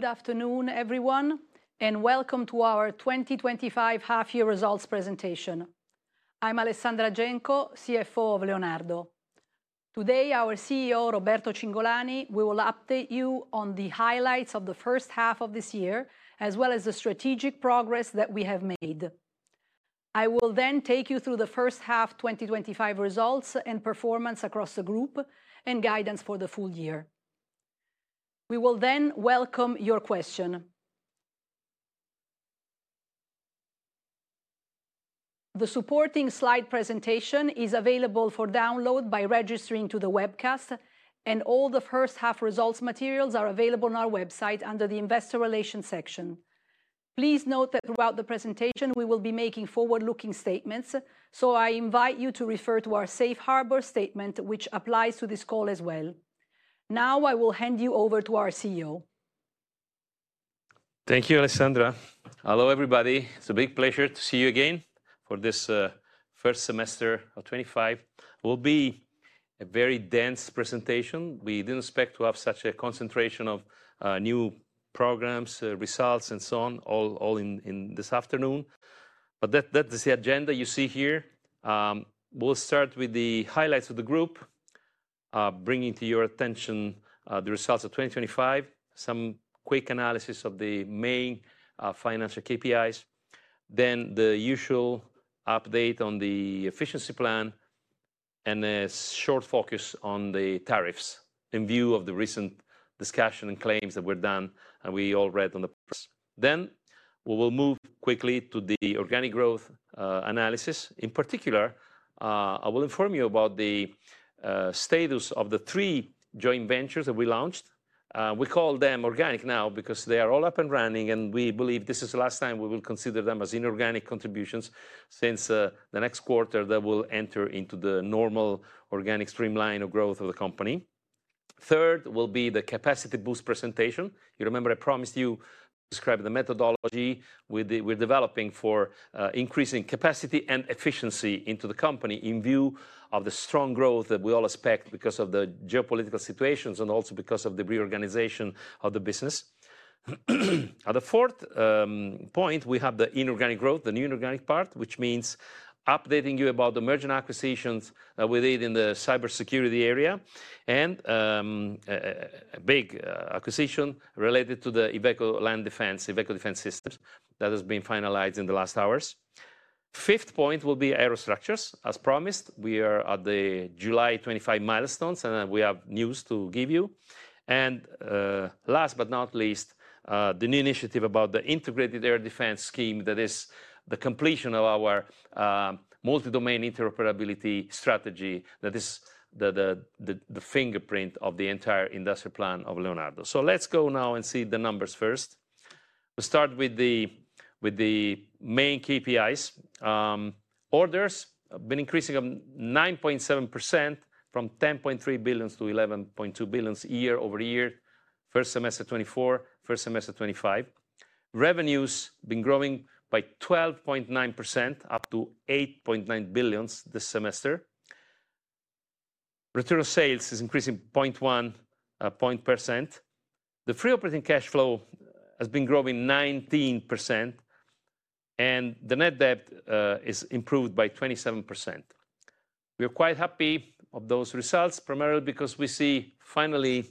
Good afternoon everyone and welcome to our 2025 half year results presentation. I'm Alessandra Genco, CFO of Leonardo. Today our CEO Roberto Cingolani will update you on the highlights of the first half of this year as well as the strategic progress that we have made. I will then take you through the first half 2025 results and performance across the group and guidance for the full year. We will then welcome your question. The supporting slide presentation is available for download by registering to the webcast and all the first half results materials are available on our website under the Investor Relations section. Please note that throughout the presentation we will be making forward looking statements, so I invite you to refer to our Safe Harbor Statement which applies to this call as well. Now I will hand you over to our CEO. Thank you Alessandra. Hello everybody. It's a big pleasure to see you again for this first semester of 2025. It will be a very dense presentation. We didn't expect to have such a concentration of new programs, results and so on all this afternoon, but that is the agenda you see here. We'll start with the highlights of the group, bringing to your attention the results of 2025, some quick analysis of the main financial KPIs, then the usual update on the efficiency plan and a short focus on the tariffs. In view of the recent discussion and claims that were done and we all read on the, then we will move quickly to the organic growth analysis. In particular, I will inform you about the status of the three joint ventures that we launched. We call them organic now because they are all up and running and we believe this is the last time we will consider them as inorganic contributions since the next quarter they will enter into the normal organic streamline of growth of the company. Third will be the capacity boost presentation. You remember I promised you, described the methodology we're developing for increasing capacity and efficiency into the company in view of the strong growth that we all expect because of the geopolitical situations and also because of the reorganization of the business. At the fourth point, we have the inorganic growth, the new inorganic part, which means updating you about the merging acquisitions we did in the cybersecurity area and big acquisition related to the Iveco Defence Vehicles systems that has been finalized in the last hours. Fifth point will be aerostructures as promised. We are at the July 25th milestones and we have news to give you. And last but not least, the new initiative about the integrated air defense scheme that is the completion of our multi domain interoperability strategy that is the fingerprint of the entire industrial plan of Leonardo. Let's go now and see the numbers. First, we'll start with the main KPIs. Orders have been increasing 9.7% from 10.3 billion-11.2 billion year-over-year. First semester 2024, first semester 2025. Revenues have been growing by 12.9% up to 8.9 billion this semester. Return on sales is increasing 0.1%. The free operating cash flow has been growing 19% and the net debt is improved by 27%. We are quite happy of those results primarily because we see finally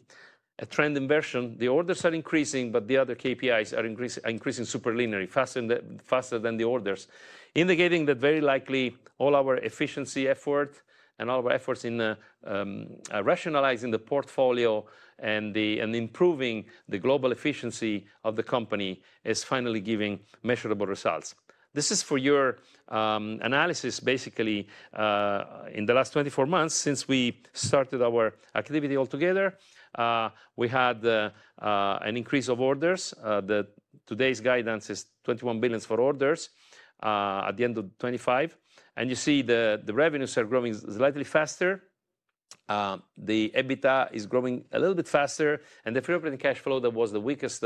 a trend inversion. The orders are increasing, but the other KPIs are increasing super linearly faster than the orders, indicating that very likely all our efficiency effort and all of our efforts in rationalizing the portfolio and improving the global efficiency of the company is finally giving measurable results. This is for your analysis. Basically in the last 24 months since we started our activity altogether, we had an increase of orders that today's guidance is 21 billion for orders at the end of 2025. And you see the revenues are growing slightly faster, the EBITDA is growing a little bit faster. And the free operating cash flow that was the weakest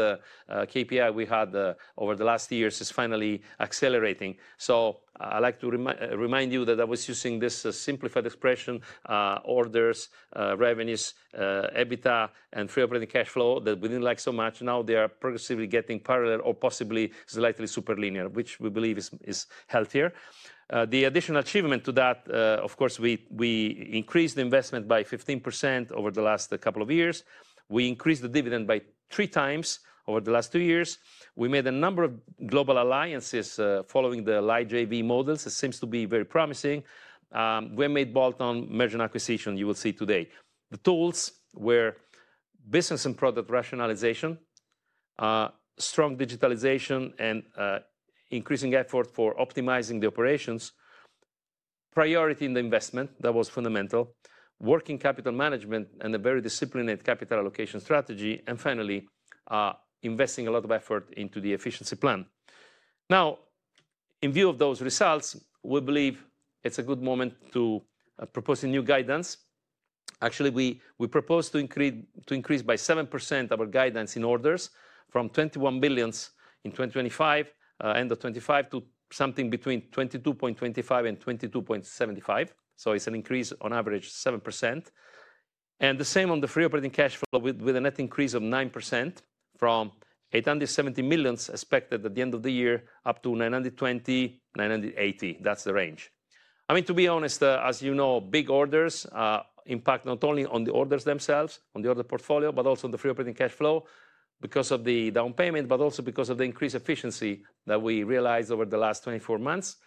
KPI we had over the last years is finally accelerating. I'd like to remind you that I was using this simplified expression orders, revenues, EBITDA and free operating cash flow that we didn't like so much. Now they are progressively getting parallel or possibly slightly super linear, which we believe is healthier. The additional achievement to that, of course, we increased the investment by 15% over the last couple of years. We increased the dividend by three times over the last two years. We made a number of global alliances following the light JV models. It seems to be very promising. We made bolt-on merchant acquisition. You will see today. The tools were business and product rationalization, strong digitalization and increasing effort for optimizing the operations priority in the investment. That was fundamental working capital management and a very disciplined capital allocation strategy. Finally investing a lot of effort into the efficiency plan. Now, in view of those results, we believe it's a good moment to propose a new guidance. Actually, we propose to increase by 7% our guidance in orders from 21 billion in 2025, end of 2025 to something between 22.25 billion and 22.75 billion. It's an increase on average 7% and the same on the free operating cash flow with a net increase of 9% from 870 million expected at the end of the year up to 920 million-980 million. That's the range. I mean, to be honest, as you know, big orders impact not only on the orders themselves, on the order portfolio, but also the free operating cash flow because of the down payment, but also because of the increased efficiency that we realized over the last 24 months.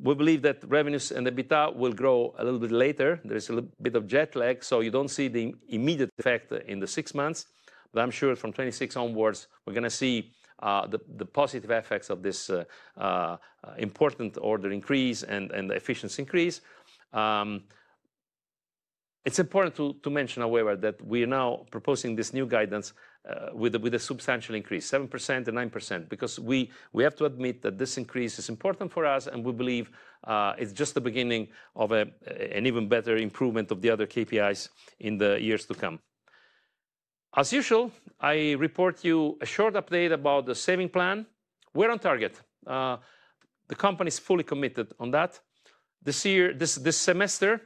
We believe that revenues and EBITDA will grow a little bit later. There is a bit of jet lag, so you don't see the immediate effect in the six months, but I'm sure from 2026 onwards we're going to see the positive effects of this important order increase and efficiency increase. It's important to mention, however, that we are now proposing this new guidance with a substantial increase, 7%-9%, because we have to admit that this increase is important for us and we believe it's just the beginning of an even better improvement of the other KPIs in the years to come. As usual, I report you a short update about the saving plan. We're on target. The company is fully committed on that. This semester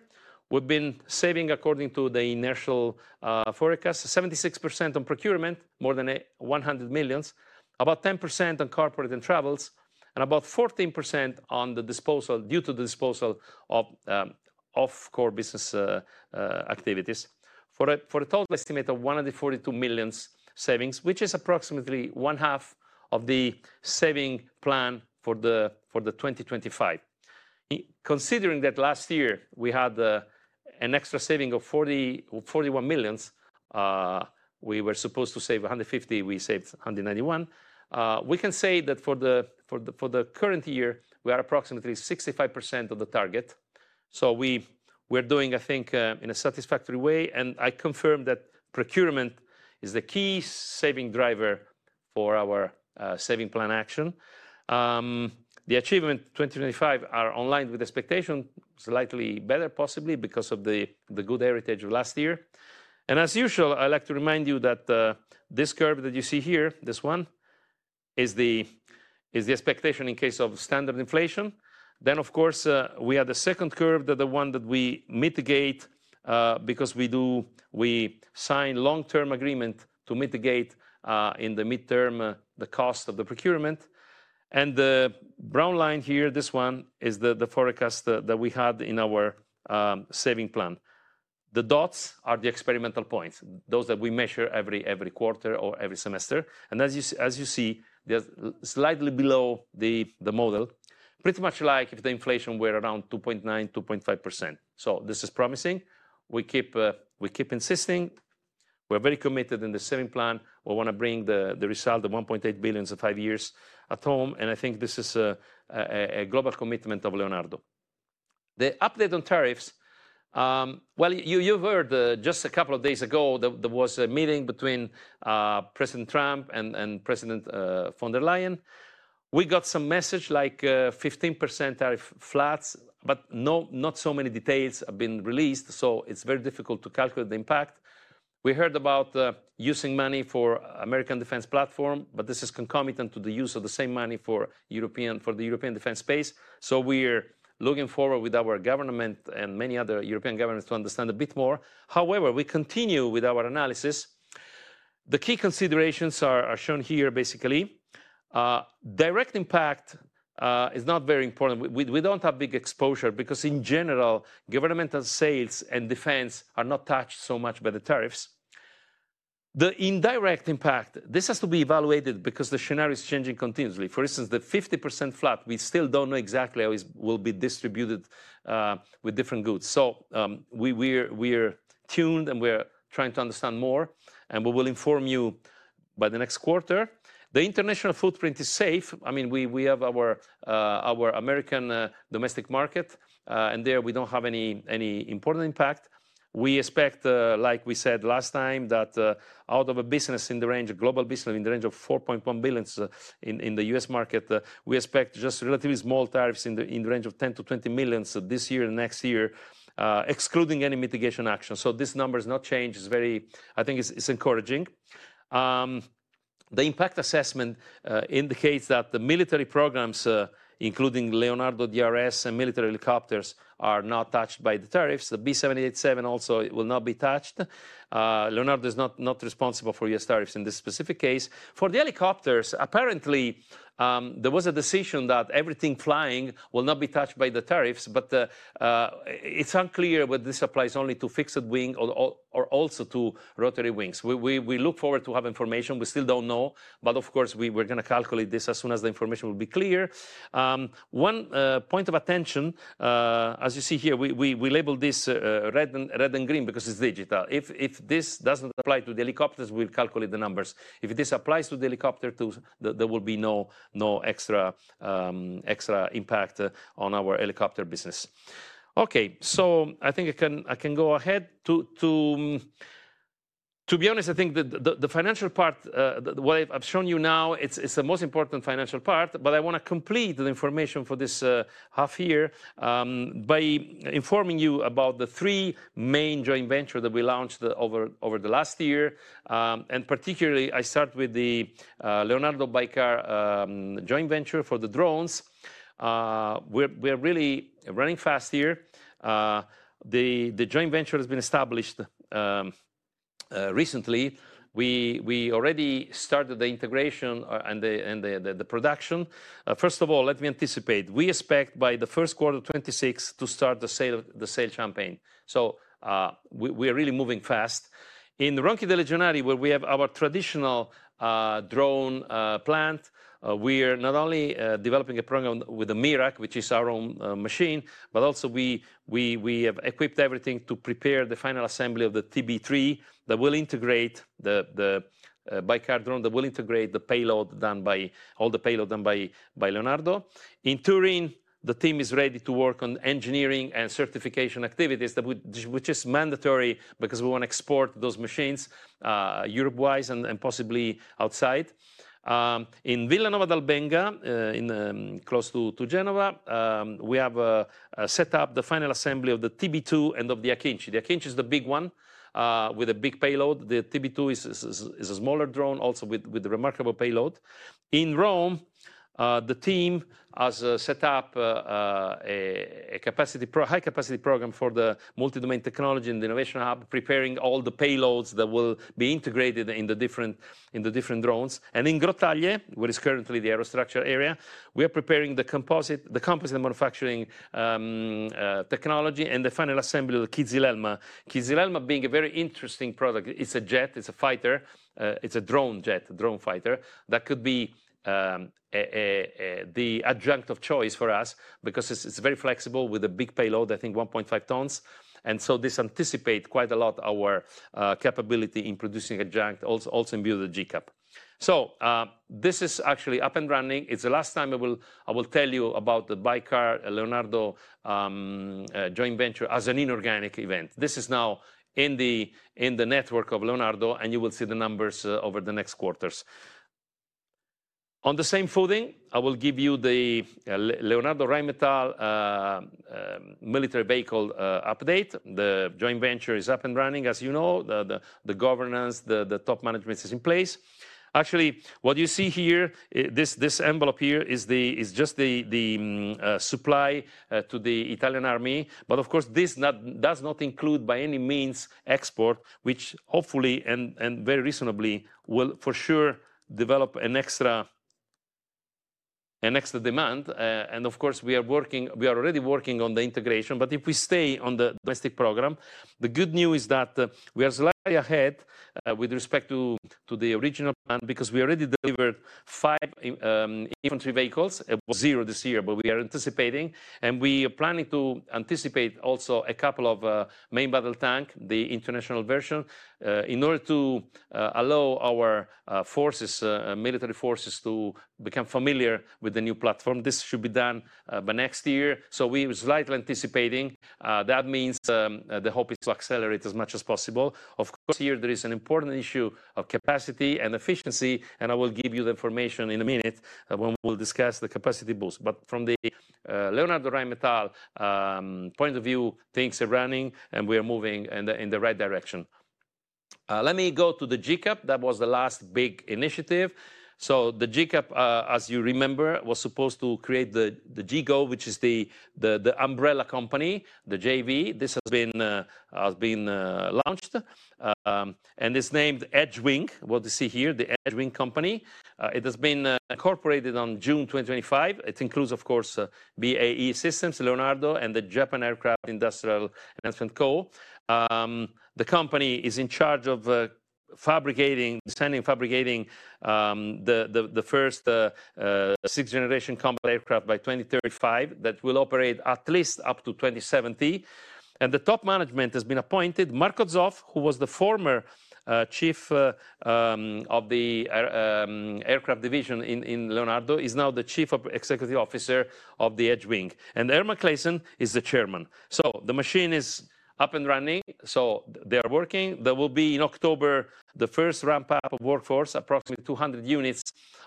we've been saving according to the inertial forecast, 76% on procurement, more than 100 million, about 10% on corporate and travels, and about 14% on the disposal due to the disposal of off core business activities, for a total estimate of 142 million savings, which is approximately 1/2 of the saving plan for 2025. Considering that last year we had an extra saving of 41 million. We were supposed to save 150 million, we saved 191 million. We can say that for the current year we are approximately 65% of the target. I think in a satisfactory way. I confirm that procurement is the key saving driver for our saving plan action. The Achievement 2025 are online with expectation, slightly better possibly because of the good heritage of last year. As usual, I'd like to remind you that this curve that you see here, this one is the expectation in case of standard inflation. Of course, we have the second curve, the one that we mitigate because we sign long term agreement to mitigate in the midterm the cost of the procurement, and the brown line here, this one is the forecast that we had in our saving plan. The dots are the experimental points, those that we measure every quarter or every semester. As you see, they are slightly below the model, pretty much like if the inflation were around 2.9%-2.5%. This is promising. We keep insisting, we're very committed in the same plan. We want to bring the result of 1.8 billion [in] five years at home. I think this is a global commitment of Leonardo. The update on tariffs, you've heard just a couple of days ago there was a meeting between President Trump and President von der Leyen. We got some message like 15% tariff floods, but not so many details have been released. It's very difficult to calculate the impact. We heard about using money for American defense platform, but this is concomitant to the use of the same money for the European Defence Space. We are looking forward with our government and many other European governments to understand a bit more. However, we continue with our analysis. The key considerations are shown here. Basically, direct impact is not very important. We do not have big exposure because in general governmental sales and defense are not touched so much by the tariffs. The indirect impact, this has to be evaluated because the scenario is changing continuously. For instance, the 50% flat, we still do not know exactly how it will be distributed with different goods. We are tuned and we are trying to understand more and we will inform you by the next quarter. The international footprint is safe. I mean, we have our American domestic market and there we do not have any important impact. We expect, like we said last time, that out of a business in the range of global business, in the range of 4.1 billion in the U.S. market, we expect just relatively small tariffs in the range of 10 million-20 million this year and next year, excluding any mitigation action. This number has not changed. I think it is encouraging. The impact assessment indicates that the military programs, including Leonardo DRS and military helicopters, are not touched by the tariffs. The Boeing 787 Dreamliner also will not be touched. Leonardo is not responsible for U.S. tariffs in this specific case for the helicopters. Apparently there was a decision that everything flying will not be touched by the tariffs. It is unclear whether this applies only to fixed-wing or also to rotary-wings. We look forward to have information, we still do not know. Of course, we are going to calculate this as soon as the information will be clear. One point of attention, as you see here, we label this red and green because it is digital. If this does not apply to the helicopters, we will calculate the numbers. If this applies to the helicopter too, there will be no extra impact on our helicopter business. Okay, I think I can go ahead. To be honest, I think the financial part, what I have shown you now, it is the most important financial part. I want to complete the information for this half year by informing you about the three main joint ventures that we launched over the last year. Particularly, I start with the Leonardo-BAYKAR Joint Venture for the drones. We are really running fast here. The joint venture has been established recently. We already started the integration and the production. First of all, let me anticipate, we expect by 1Q 2026 to start the sale campaign. We are really moving fast. In Ronchi dei Legionari, where we have our traditional drone plant, we are not only developing a program with the Mirach, which is our own machine, but also we have equipped everything to prepare the final assembly of the TB3 that will integrate the BAYKAR drone, that will integrate the payload done by all the payload done by Leonardo. In Turin, the team is ready to work on engineering and certification activities, which is mandatory because we want to export those machines Europe-wise and possibly outside. In Villanova d'Albenga, close to Genova, we have set up the final assembly of the TB2 and of the Akinci. The Akinci is the big one with a big payload. The TB2 is a smaller drone, also with a remarkable payload. In Rome, the team has set up a high capacity program for the multi-domain technology and the innovation hub, preparing all the payloads that will be integrated in the different drones. In Grottaglie, where is currently the aerostructure area, we are preparing the composite manufacturing technology and the final assembly of Kızılelma. Kızılelma being a very interesting product. It's a jet, it's a fighter, it's a drone jet, drone fighter. That could be the adjunct of choice for us because it's very flexible with a big payload, I think 1.5 tons. This anticipates quite a lot our capability in producing adjunct also imbued the GCAP. This is actually up and running. It's the last time I will tell you about the BAYKAR-Leonardo Joint Venture as an inorganic event. This is now in the network of Leonardo and you will see the numbers over the next quarters. On the same footing, I will give you the Leonardo-Rheinmetall Military Vehicle update. The joint venture is up and running. As you know, the governance, the top management is in place. Actually, what you see here, this envelope here is just the supply to the Italian army. Of course, this does not include by any means export, which hopefully and very reasonably will for sure develop an extra demand. We are already working on the integration, but if we stay on the domestic program, the good news is that we are slightly ahead with respect to the original plan because we already delivered five infantry vehicles, zero this year. We are anticipating and we are planning to anticipate also a couple of main battle tank, the international version, in order to allow our forces, military forces to become familiar with the new platform. This should be done by next year. We are slightly anticipating, that means the hope is to accelerate as much as possible. Of course, here there is an important issue of capacity and efficiency. I will give you the information in a minute when we'll discuss the capacity boost. From the Leonardo-Rheinmetall point of view, things are running and we are moving in the right direction. Let me go to the GCAP. That was the last big initiative. The GCAP, as you remember, was supposed to create the GGO, which is the umbrella company, the JV. This has been launched and it's named EDGEWING. What you see here, the EDGEWING company, it has been incorporated on June 2025. It includes, of course, BAE Systems, Leonardo, and the Japan Aircraft Industrial Co. The company is in charge of fabricating, sending, fabricating the first 6th generation combat aircraft by 2035 that will operate at least up to 2070. The top management has been appointed. [Marco Zoff], who was the former Chief of the Aircraft Division in Leonardo, is now the Chief Executive Officer of EDGEWING and [Herman Claesen] is the Chairman. The machine is up and running, so they are working. There will be in October the first ramp up of workforce, approximately 200 units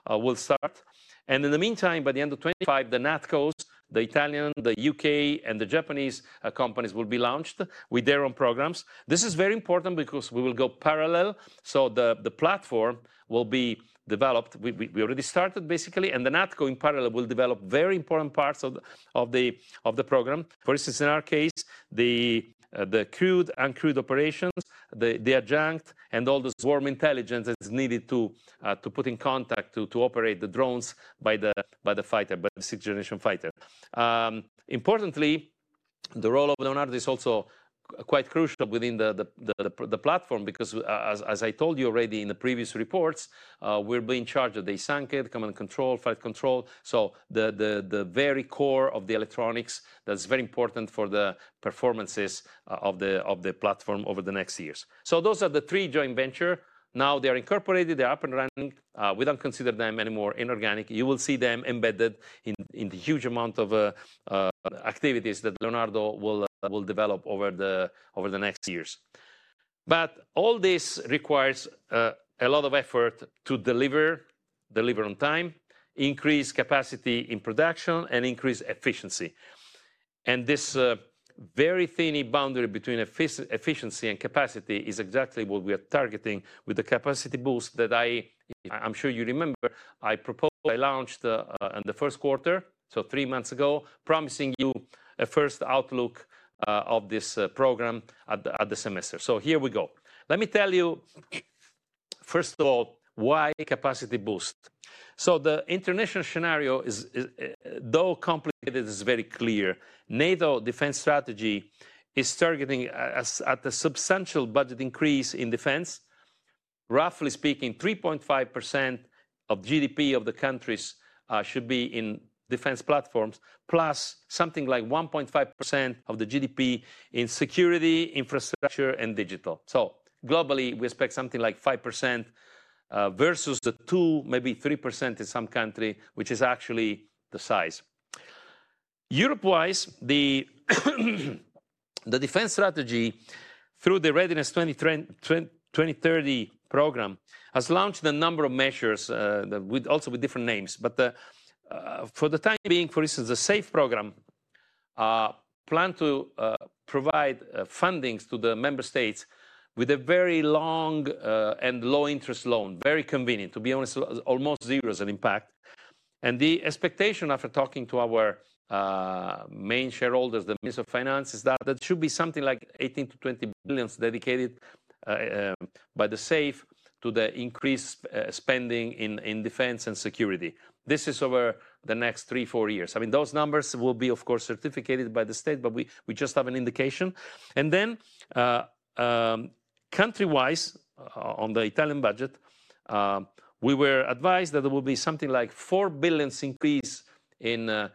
will start. In the meantime, by the end of 2025, the NATCOs, the Italian, the U.K., and the Japanese companies will be launched with their own programs. This is very important because we will go parallel. The platform will be developed, we already started basically, and the NATCO in parallel will develop very important parts of the program. For instance, in our case, the crewed uncrewed operations, the adjunct and all those warm intelligence is needed to put in contact to operate the drones by the fighter, by 6th Generation Fighter. importantly, the role of Leonardo is also quite crucial within the platform, because as I told you already in the previous reports, we're being charged with the assigned command, control, flight control, so the very core of the electronics that's very important for the performances of the platform over the next years. Those are the three joint venture. Now they are incorporated, they're up and running. We don't consider them anymore inorganic. You will see them embedded in the huge amount of activities that Leonardo will develop over the next years. All this requires a lot of effort to deliver on time, increase capacity in production, and increase efficiency. This very thin boundary between efficiency and capacity is exactly what we are targeting with the capacity boost that I am sure you remember I proposed. I launched in the first quarter, so three months ago, promising you a first outlook of this program at the semester. Here we go. Let me tell you first of all, why capacity boost? The international scenario, though complicated, is very clear. NATO defense strategy is targeting at a substantial budget increase in defense. Roughly speaking, 3.5% of GDP of the countries should be in defense platforms, plus something like 1.5% of the GDP in security, infrastructure, and digital. Globally we expect something like 5% versus the 2%, maybe 3% in some country, which is actually the size. Europe-wise, the defense strategy, through the Readiness 2030 program, has launched a number of measures, also with different names, but for the time being, for instance, the SAFE Program planned to provide fundings to the member states with a very long and low interest loan. Very convenient, to be honest, almost zero as an impact. The expectation after talking to our main shareholders, the Minister of Finance, is that there should be something like 18 billion-20 billion dedicated by the SAFE to the increased spending in defense and security. This is over the next three, four years. I mean, those numbers will be of course certificated by the state, but we just have an indication. Country-wise, on the Italian budget, we were advised that there will be something like 4 billion increase in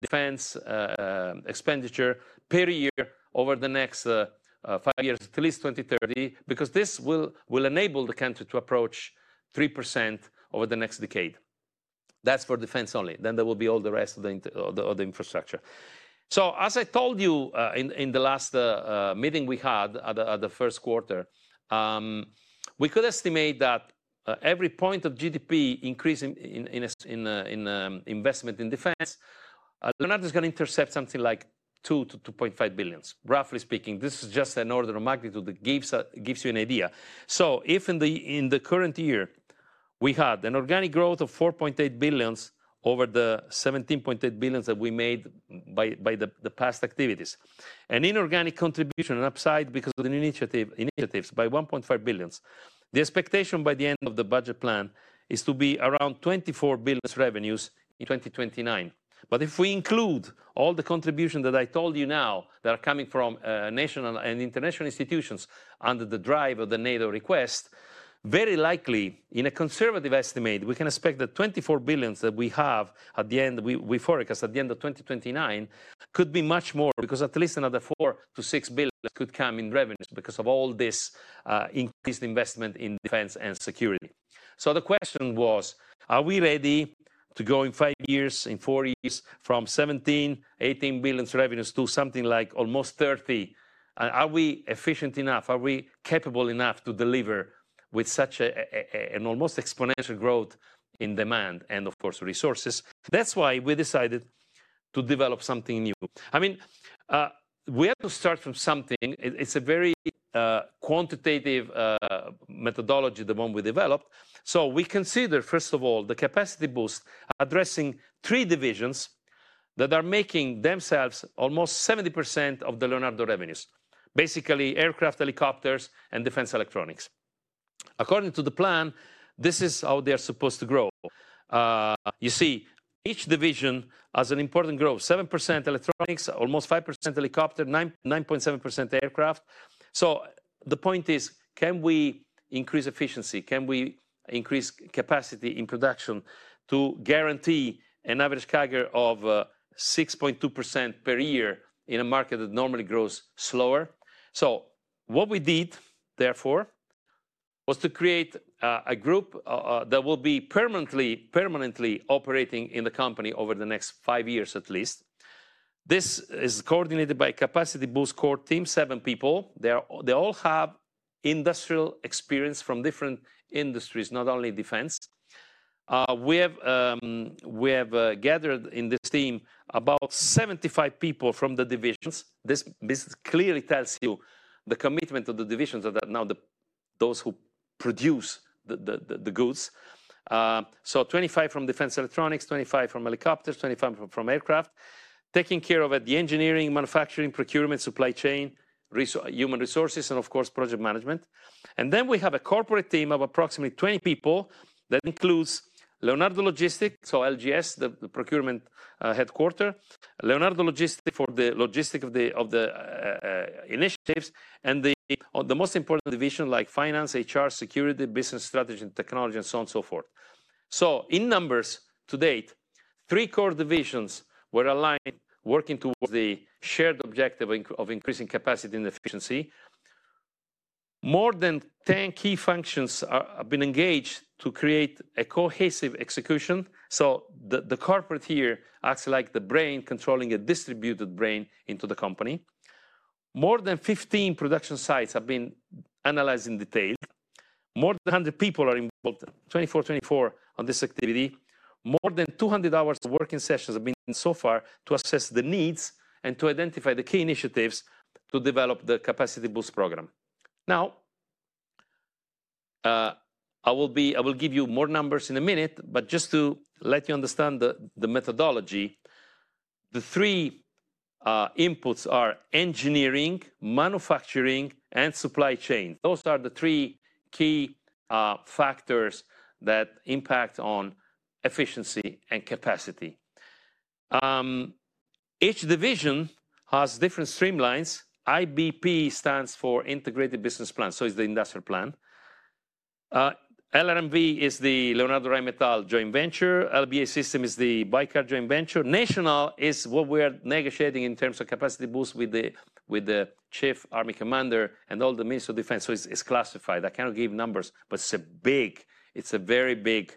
defense expenditure per year over the next five years, at least 2030, because this will enable the country to approach 3% over the next decade. That is for defense only. There will be all the rest of the infrastructure. As I told you in the last meeting we had at the first quarter, we could estimate that every point of GDP increase in investment in defense, Leonardo, is going to intercept something like 2 billion-2.5 billion. Roughly speaking, this is just an order of magnitude. That gives you an idea. If in the current year we had an organic growth of 4.8 billion over the 17.8 billion that we made by the past activities, an inorganic contribution and upside because of the initiatives by 1.5 billion, the expectation by the end of the budget plan is to be around 24 billion revenues in 2029. If we include all the contributions that I told you now that are coming from national and international institutions under the drive of the NATO request, very likely, in a conservative estimate, we can expect that 24 billion that we have at the end, we forecast at the end of 2029, could be much more because at least another 4-6 billion could come in revenues because of all this increased investment in defense and security. The question was, are we ready to go in five years, in four years, from 17 billion-18 billion revenues to something like almost 30 billion. Are we efficient enough? Are we capable enough to deliver with such an almost exponential growth in demand and of course, resources? That is why we decided to develop something new. I mean, we have to start from something. It is a very quantitative methodology, the one we developed. We consider first of all the capacity boost addressing three divisions that are making themselves almost 70% of the Leonardo revenues. Basically aircraft, helicopters, and defense electronics. According to the plan, this is how they are supposed to grow. You see, each division has an important growth. 7% electronics, almost 5% helicopter, 9.7% aircraft. The point is, can we increase efficiency, can we increase capacity in production to guarantee an average CAGR of 6.2% per year in a market that normally grows slower? What we did therefore, was to create a group that will be permanently, permanently operating in the company over the next five years at least. This is coordinated by capacity boost core team. Seven people. They all have industrial experience from different industries, not only defense. We have gathered in this team about 75 people from the divisions. This clearly tells you the commitment of the divisions. Now, those who produce the goods. 25 from defense electronics, 25 from helicopters, 25 from aircraft, taking care of the engineering, manufacturing, procurement, supply chain, human resources, and of course, project management. We have a corporate team of approximately 20 people that includes Leonardo Logistics, so LGS, the procurement headquarter, Leonardo Logistics for the logistics of the initiatives, and the most important division like Finance, HR, Security, Business Strategy and Technology, and so on and so forth. In numbers to date, three core divisions were aligned, working towards the shared objective of increasing capacity and efficiency. More than 10 key functions have been engaged to create a cohesive execution. The corporate here acts like the brain, controlling a distributed brain into the company. More than 15 production sites have been analyzed in detail. More than 100 people are involved. 24/24 on this activity. More than 200 hours of working sessions have been so far to assess the needs and to identify the key initiatives to develop the capacity boost program. I will give you more numbers in a minute, but just to let you understand the methodology, the three inputs are engineering, manufacturing and supply chain. Those are the three key factors that impact on efficiency and capacity. Each division has different streamlines. IBP stands for Integrated Business Plan, so it is the industrial plan. LRMV is the Leonardo-Rheinmetall Joint Venture. LBA system is the BAYKAR joint venture. National is what we are negotiating in terms of capacity boost with the Chief Army Commander and all the Minister of Defense. It is classified. I cannot give numbers, but it is a very big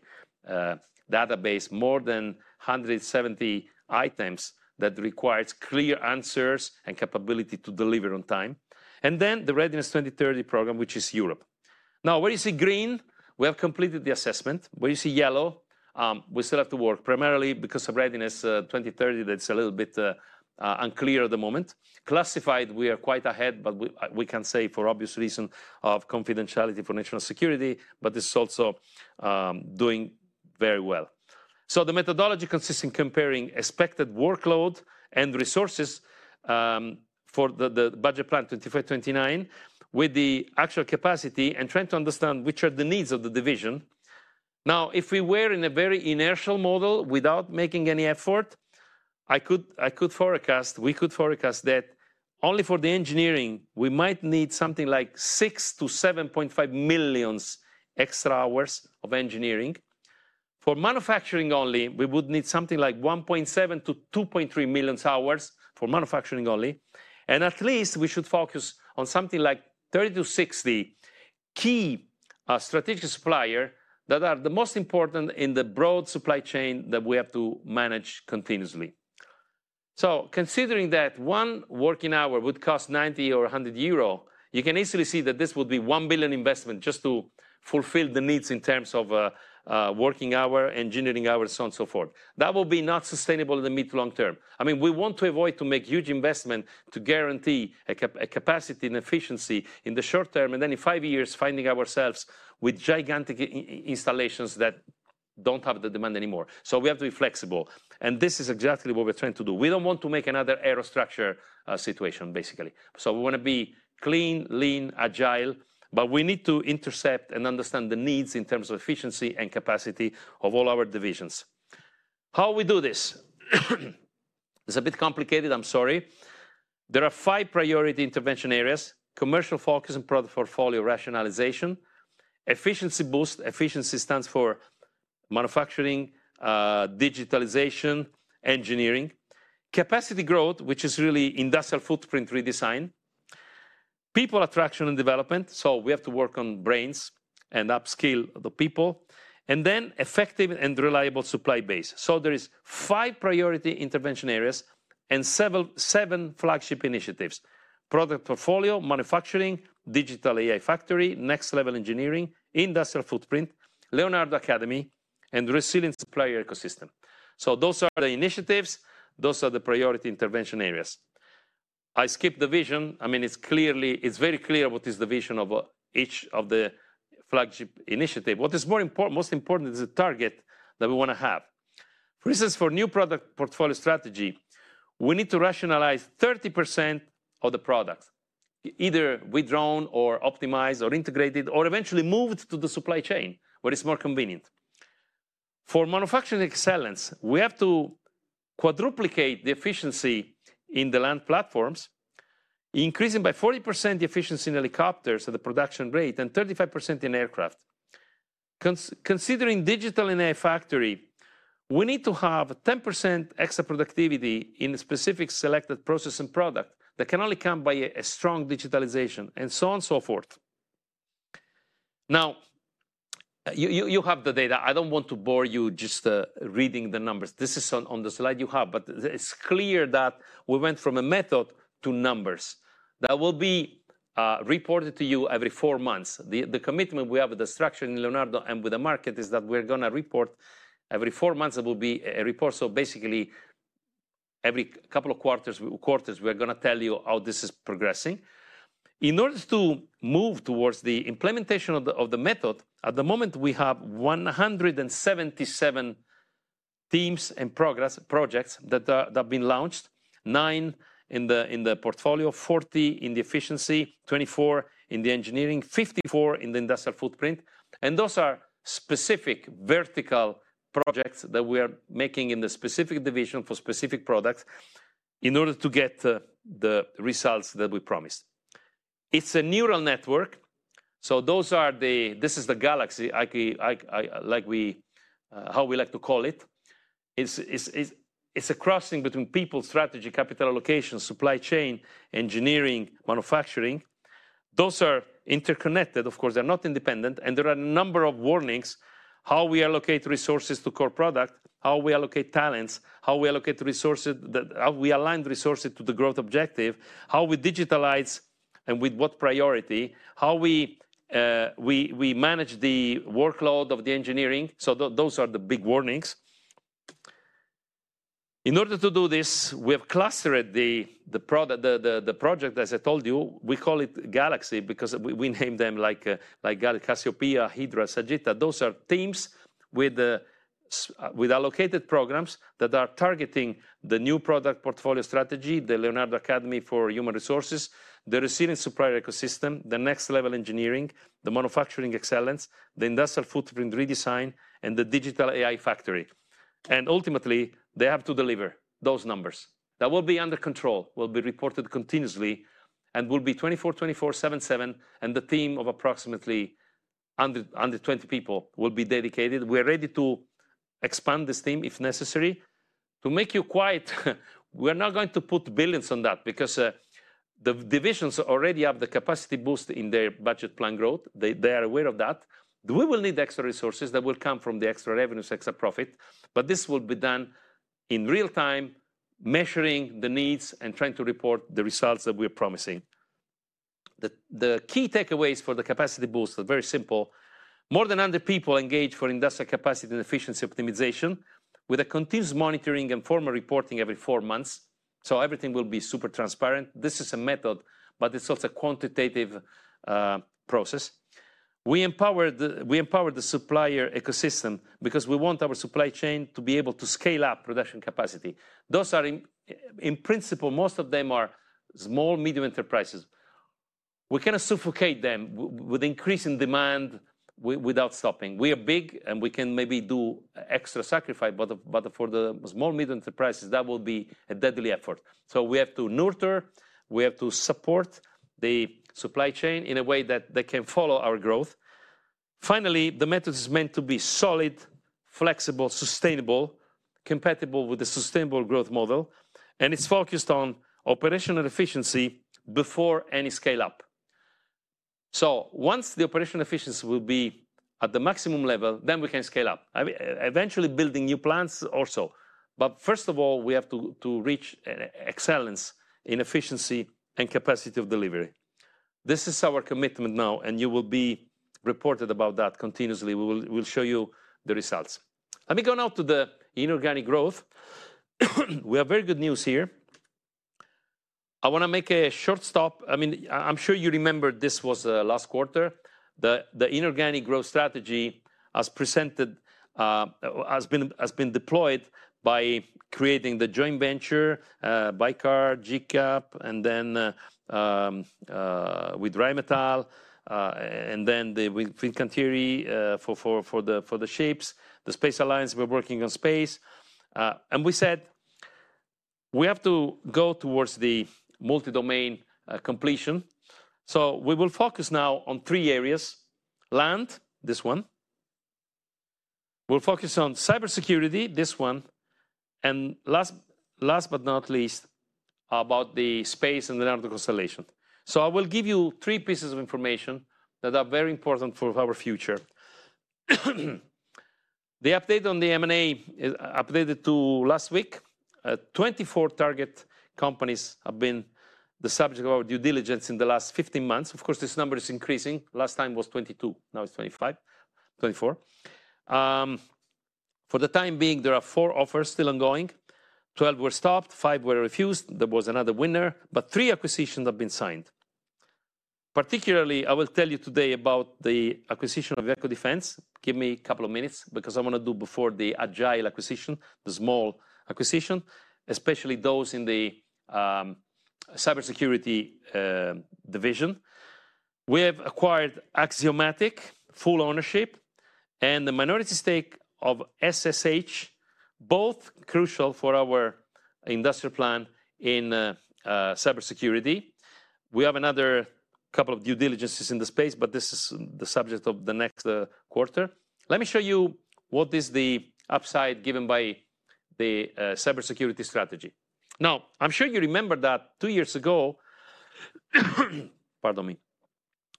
database. More than 170 items that require clear answers and capability to deliver on time. The Readiness 2030 program, which is Europe. Where you see green, we have completed the assessment. Where you see yellow, we still have to work primarily because of Readiness 2030. That is a little bit unclear at the moment. Classified, we are quite ahead, but we cannot say for obvious reason of confidentiality for national security. This is also doing very well. The methodology consists in comparing expected workload and resources for the Budget Plan 2029 with the actual capacity and trying to understand which are the needs of the division. If we were in a very inertial model, without making any effort, we could forecast that only for the engineering, we might need something like 6 million-7.5 million extra hours of engineering. For manufacturing only, we would need something like 1.7 million-2.3 million hours for manufacturing only. At least we should focus on something like 30-60 key strategic suppliers that are the most important in the broad supply chain that we have to manage continuously. Considering that one working hour would cost 90 or 100 euro, you can easily see that this would be a 1 billion investment just to fulfill the needs in terms of working hours, engineering hours, so on and so forth, that will be not sustainable in the mid to long term. I mean, we want to avoid making huge investments to guarantee a capacity and efficiency in the short term. In five years, finding ourselves with gigantic installations that do not have the demand anymore. We have to be flexible. This is exactly what we're trying to do. We do not want to make another aerostructure situation, basically. We want to be clean, lean, agile. We need to intercept and understand the needs in terms of efficiency and capacity of all our divisions. How we do this, it's a bit complicated, I'm sorry. There are five priority intervention areas: commercial focus and product portfolio rationalization, efficiency boost—efficiency stands for manufacturing digitalization—engineering capacity growth, which is really industrial footprint redesign, people attraction and development. We have to work on brains and upskill the people, and then effective and reliable supply base. There are five priority intervention areas and seven flagship initiatives: product portfolio, manufacturing, digital AI factory, next level engineering, industrial footprint, Leonardo Academy, and resilient supplier ecosystem. Those are the initiatives, those are the priority intervention areas. I skipped the vision. I mean, it's very clear what is the vision of each of the flagship initiatives. What is most important is the target that we want to have. For instance, for new product portfolio strategy, we need to rationalize 30% of the products, either withdrawn or optimized or integrated or eventually moved to the supply chain where it's more convenient. For manufacturing excellence, we have to quadruplicate the efficiency in the land platforms, increasing by 40% efficiency in helicopters at the production rate and 35% in aircraft. Considering digital in a factory, we need to have 10% extra productivity in a specific selected process and product that can only come by a strong digitalization and so on, so forth. Now you have the data, I do not want to bore you just reading the numbers. This is on the slide you have. It is clear that we went from a method to numbers that will be reported to you every four months. The commitment we have with the structure in Leonardo and with the market is that we're going to report. Every four months there will be a report. Basically, every couple of quarters we're going to tell you how this is progressing in order to move towards the implementation of the method. At the moment, we have 177 teams and projects that have been launched. Nine in the portfolio, 40 in the efficiency, 24 in the engineering, 54 in the industrial footprint. Those are specific vertical projects that we are making in the specific division for specific products in order to get the results that we promised. It is a neural network. This is the Galaxy, how we like to call it. It is a crossing between people, strategy, capital allocation, supply chain, engineering, manufacturing. Those are interconnected, of course, they are not independent. There are a number of warnings. How we allocate resources to core product, how we allocate talents, how we allocate resources, how we align resources to the growth objective, how we digitalize and with what priority, how we manage the workload of the engineering. Those are the big warnings. In order to do this, we have clustered the project. As I told you, we call it Galaxy because we name them, like CASSIOPeiA, Hydra, Sagitta. Those are teams with allocated programs that are targeting the new product portfolio strategy, the Leonardo Academy for Human Resources, the resilience supplier ecosystem, the next level engineering, the manufacturing excellence, the industrial footprint redesign, and the digital AI factory. Ultimately, they have to deliver those numbers that will be under control, will be reported continuously, and be 24-24-7-7. The team of approximately under 20 people will be dedicated. We are ready to expand this team if necessary to make you quiet. We are not going to put billions on that because the divisions already have the capacity boost in their budget plan growth. They are aware of that. We will need extra resources that will come from the extra revenues, extra profit. This will be done in real time, measuring the needs and trying to report the results that we are promising. The key takeaways for the capacity boost are very simple. More than 100 people engage for industrial capacity and efficiency optimization with a continuous monitoring and formal reporting every four months. Everything will be super transparent. This is a method, but it's also a quantitative process. We empower the supplier ecosystem because we want our supply chain to be able to scale up production capacity. Those are, in principle, most of them, small medium enterprises. We cannot suffocate them with increasing demand without stopping. We are big and we can maybe do extra sacrifice, but for the small medium enterprises that will be a deadly effort. We have to nurture, we have to support the supply chain in a way that they can follow our growth. Finally, the method is meant to be solid, flexible, sustainable, compatible with the sustainable growth model. It's focused on operational efficiency before any scale up. Once the operational efficiency will be at the maximum level, then we can scale up, eventually building new plants also. First of all, we have to reach excellence in efficiency and capacity of delivery. This is our commitment now. You will be reported about that continuously. We will show you the results. Let me go now to the inorganic growth. We have very good news here. I want to make a short stop. I mean, I'm sure you remember this was last quarter. The inorganic growth strategy has been deployed by creating the joint venture BAYKAR, GCAP, and then with Rheinmetall, and then Fincantieri for the ships. The space alliance. We're working on space and we said we have to go towards the multi domain completion. We will focus now on three areas: land, this one; we'll focus on cybersecurity, this one; and last but not least, about the space and the narrative Constellation. I will give you three pieces of information that are very important for our future. The update on the M&A, updated to last week. 24 target companies have been the subject of our due diligence in the last 15 months. Of course, this number is increasing. Last time was 22. Now it's 25, 24. For the time being, there are four offers still ongoing. 12 were stopped, five were refused. There was another winner, but three acquisitions have been signed. Particularly, I will tell you today about the acquisition of Iveco Defence. Give me a couple of minutes because I want to do before the Agile acquisition, the small acquisition, especially those in the cybersecurity division. We have acquired Axiomatics full ownership and the minority stake of SSH, both crucial for our industrial plan in cyber security. We have another couple of due diligences in the space, but this is the subject of the next quarter. Let me show you what is the upside given by the cyber security strategy. Now I'm sure you remember that two years ago, pardon me,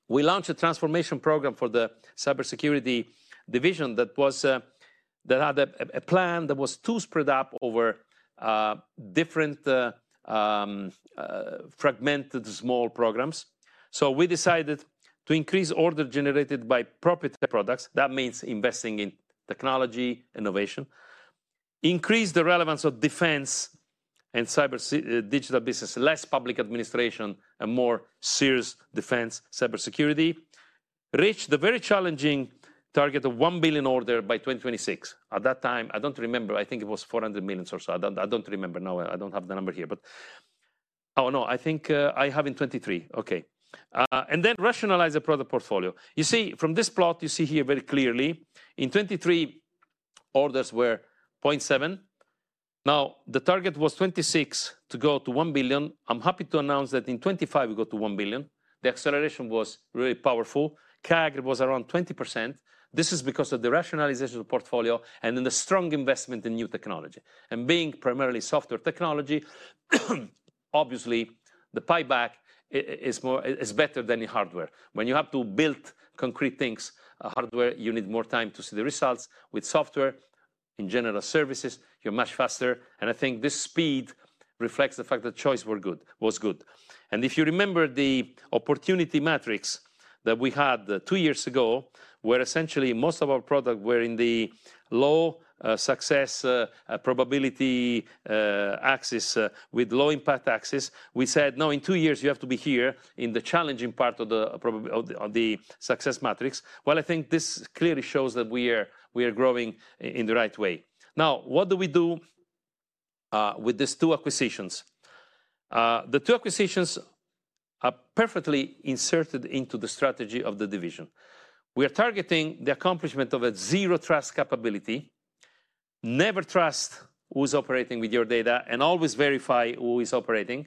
we launched a transformation program for the cybersecurity division that was. That had a plan that was too spread up over different fragmented small programs. So we decided to increase order generated by property products. That means investing in technology innovation, increase the relevance of defense and cyber digital business. Less public administration and more serious defense. Cybersecurity reached the very challenging target of 1 billion order by 2026. At that time I don't remember. I think it was 400 million or so. I don't remember. Now I don't have the number here, but oh no, I think I have in 2023. Okay, and then rationalize the product portfolio. You see from this plot. You see here very clearly, in 2023 orders were 0.7 billion. Now the target was 2026 to go to 1 billion. I'm happy to announce that in 2025 we got to 1 billion. The acceleration was really powerful. CAGR was around 20%. This is because of the rationalization of the portfolio and then the strong investment in new technology. And being primarily software technology, obviously the payback is better than in hardware. When you have to build concrete things hardware, you need more time to see the results. With software in general services, you're much faster. I think this speed reflects the fact that choice was good. If you remember the opportunity matrix that we had two years ago, where essentially most of our product were in the low success probability axis with low impact axis, we said no, in two years you have to be here in the challenging part of the success matrix. I think this clearly shows that we are growing in the right way. Now what do we do with these two acquisitions? The two acquisitions are perfectly inserted into the strategy of the division. We are targeting the accomplishment of a Zero Trust capability. Never trust who's operating with your data and always verify who is operating.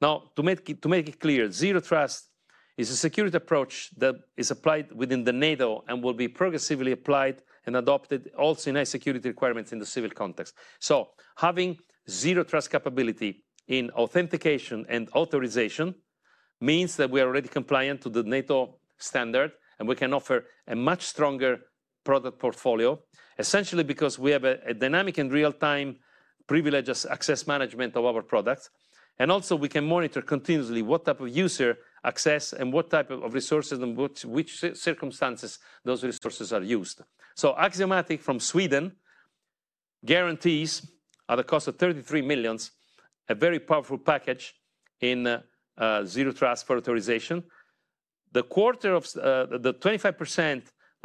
Now to make it clear Zero Trust is a security approach that is applied within the NATO and will be progressively applied and adopted also in high security requirements in the civil context. Having Zero Trust Capability in authentication and authorization means that we are already compliant to the NATO standard and we can offer a much stronger product portfolio, essentially because we have a dynamic and real-time privileges access management of our products. Also, we can monitor continuously what type of user access and what type of resources and which circumstances those resources are used. So Axiomatics from Sweden guarantees, at a cost of 33 million, a very powerful package in Zero Trust for authorization. The 25%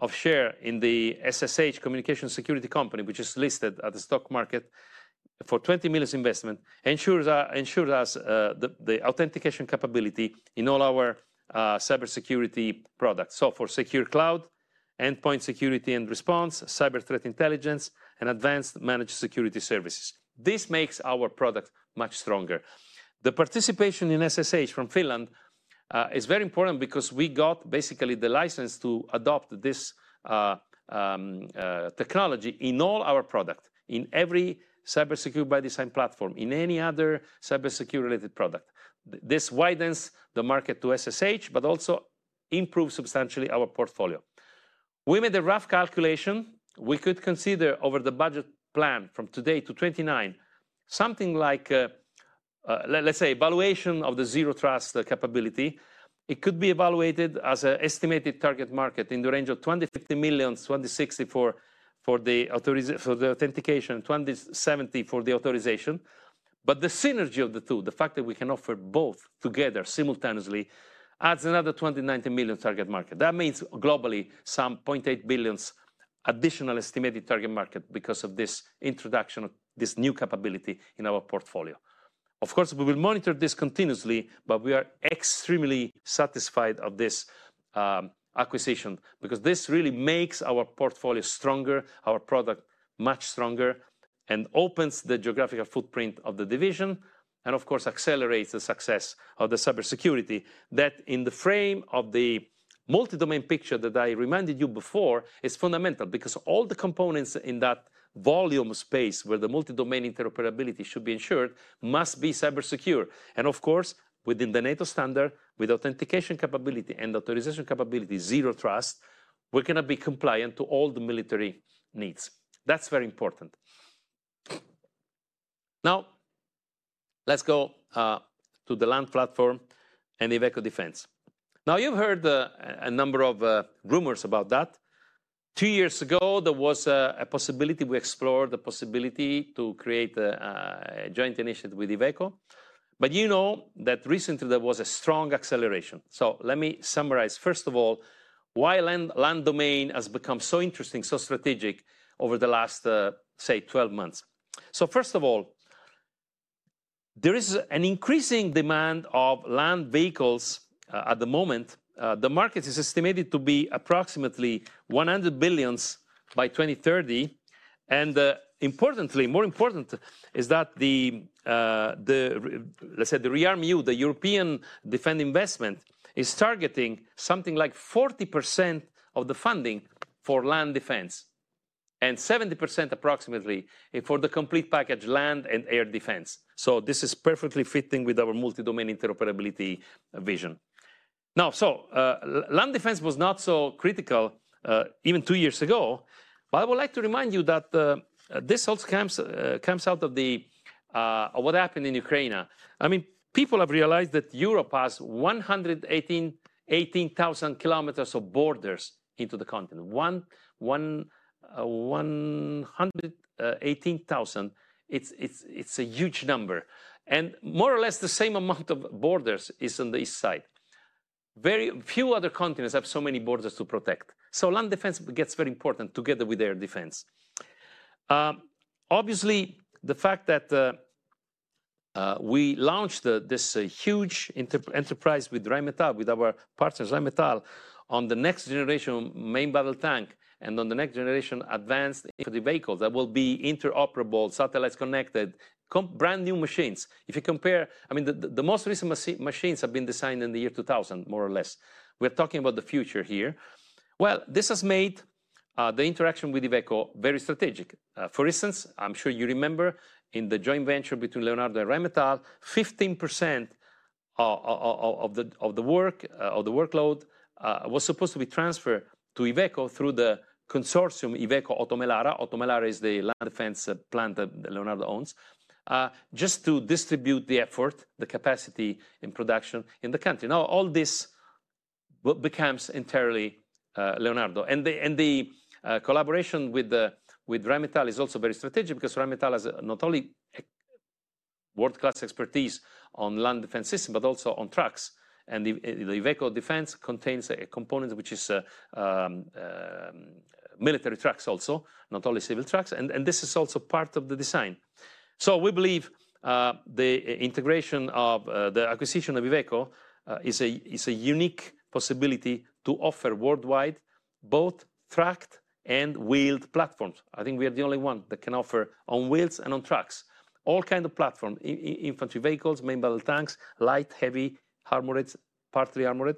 share in SSH Communications Security Company, which is listed at the stock market for a 20 million investment, ensures us the authentication capability in all our cybersecurity products. For secure Cloud, endpoint security and response, cyber threat intelligence, and advanced managed security services, this makes our product much stronger. The participation in SSH from Finland is very important because we got basically the license to adopt this technology in all our products, in every cybersecurity by design platform, in any other cybersecurity-related product. This widens the market to SSH, but also improves substantially our portfolio. We made a rough calculation. We could consider over the budget plan from today to 2029, something like, let's say, valuation of the Zero Trust Capability. It could be evaluated as an estimated target market in the range of 20.50 million-20.60 million for the authentication, 20.70 million for the authorization. The synergy of the two, the fact that we can offer both together simultaneously, adds another 20.19 million target market. That means globally some 0.8 billion additional estimated target market. Because of this introduction of this new capability in our portfolio, of course we will monitor this continuously. We are extremely satisfied with this acquisition because this really makes our portfolio stronger, our product much stronger, and opens the geographical footprint of the division and of course accelerates the success of the cybersecurity. In the frame of the multi-domain picture that I reminded you before, this is fundamental because all the components in that volume space where the multi-domain interoperability should be ensured must be cyber-secure. Of course, within the NATO standard, with authentication capability and authorization capability, Zero Trust, we are going to be compliant to all the military needs. That is very important. Now let's go to the land platform and Iveco Defence. Now you've heard a number of rumors about that two years ago there was a possibility, we explored the possibility to create a joint initiative with Iveco. You know that recently there was a strong acceleration. Let me summarize first of all, why land domain has become so interesting, so strategic over the last, say, 12 months. First of all, there is an increasing demand of land vehicles at the moment. The market is estimated to be approximately 100 billion by 2030. Importantly, more important is that, let's say, the rearmament, the European defense investment is targeting something like 40% of the funding for land defense and 70% approximately for the complete package, land and air defense. This is perfectly fitting with our multi-domain interoperability vision. Land defense was not so critical even two years ago. I would like to remind you that this also comes out of what happened in Ukraine. I mean, people have realized that Europe has 118,000 km of borders into the continent. 118,000 km. It's a huge number and more or less the same amount of borders is on the east side. Very few other continents have so many borders to protect. Land defense gets very important together with air defense. Obviously, the fact that we launched this huge enterprise with Rheinmetall, with our partners like Rheinmetall, on the next-generation main battle tank and on the next-generation advanced vehicles that will be interoperable, satellites connected, brand new machines. If you compare, I mean, the most recent machines have been designed in the year 2000, more or less, we're talking about the future here. This has made the interaction with Iveco very strategic. For instance, I'm sure you remember in the joint venture between Leonardo and Rheinmetall, 15% of the workload was supposed to be transferred to Iveco through the consortium Iveco. OTO Melara is the land defense plant that Leonardo owns, just to distribute the effort, the capacity in production in the country. Now all this becomes entirely Leonardo. The collaboration with Rheinmetall is also very strategic because Rheinmetall has not only world-class expertise on land defense systems, but also on tracks. The Iveco Defence contains a component which is military trucks, also not only civil trucks, and this is also part of the design. We believe the integration of the acquisition of Iveco is a unique possibility to offer worldwide both tracked and wheeled platforms. I think we are the only one that can offer on wheels and on tracks, all kind of platform infantry vehicles, main battle tanks, light heavy armored, part three armored.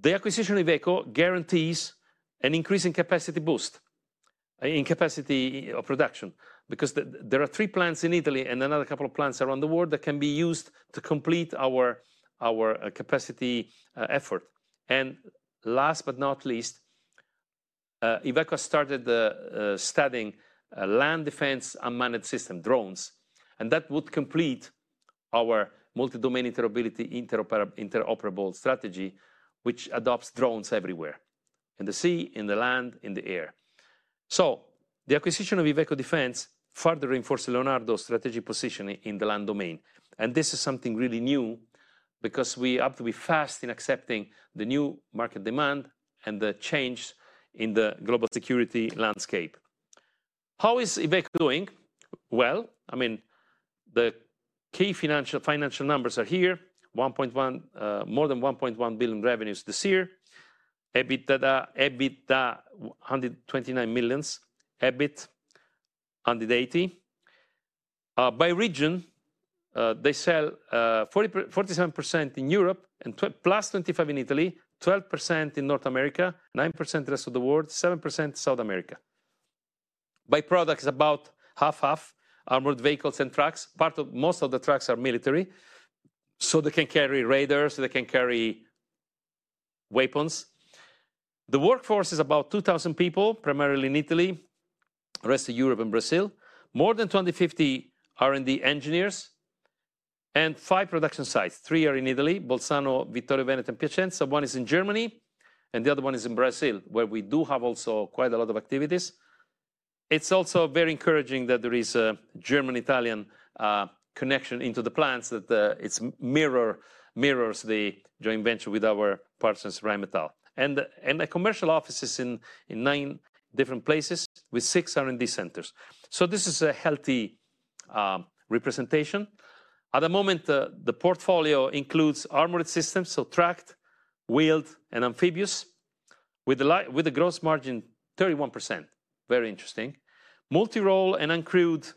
The acquisition of Iveco guarantees an increase in capacity, boost in capacity of production because there are three plants in Italy and another couple of plants around the world that can be used to complete our capacity effort. Last but not least, Iveco started studying land defense unmanned system drones. That would complete our multi-domain interoperability, interoperable strategy which adopts drones everywhere. In the sea, in the land, in the air. The acquisition of Iveco Defence further reinforced Leonardo's strategy position in the land domain. This is something really new because we have to be fast in accepting the new market demand and the change in the global security landscape. How is Iveco doing? I mean the key financial numbers are here. More than 1.1 billion revenues this year. EBITDA 129 million, EBIT 180 million. By region, they sell 47% in Europe and +25% in Italy, 12% in North America, 9% the rest of the world, 7% South America. By product, it is about 50/50 armored vehicles and trucks. Most of the trucks are military, so they can carry radars, they can carry weapons. The workforce is about 2,000 people, primarily in Italy, the rest of Europe and Brazil. More than 2,050 are in the engineers and five production sites. Three are in Italy, Bolzano, Vittorio Veneto, Piacenza. One is in Germany and the other one is in Brazil, where we do have also quite a lot of activities. It is also very encouraging that there is a German-Italian connection into the plants that it mirrors. The joint venture with our partners Rheinmetall and the commercial office is in nine different places with six R&D centers. This is a healthy representation at the moment. The portfolio includes armored systems, so tracked, wheeled and amphibious with the gross margin 31%. Very interesting. Multi-role and uncrewed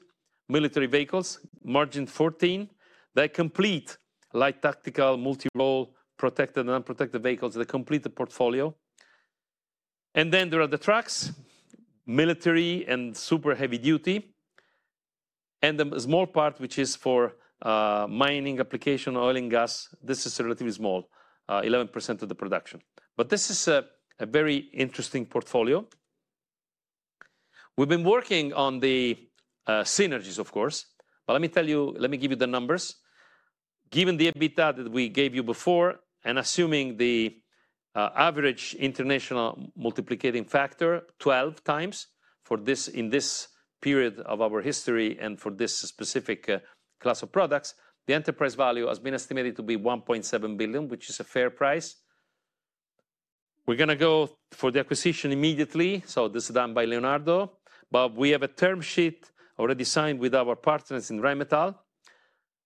military vehicles margin 14%. They complete light, tactical, multi-role protected and unprotected vehicles that complete the portfolio. Then there are the trucks, military and super heavy duty. The small part which is for mining application, oil and gas. This is relatively small, 11% of the production. This is a very interesting portfolio. We have been working on the synergies of course, but let me tell you, let me give you the numbers. Given the EBITDA that we gave you before and assuming the average international multiplicating factor 12x in this period of our history and for this specific class of products, the enterprise value has been estimated to be 1.7 billion, which is a fair price. We're going to go for the acquisition immediately. This is done by Leonardo, but we have a term sheet already signed with our partners in Rheinmetall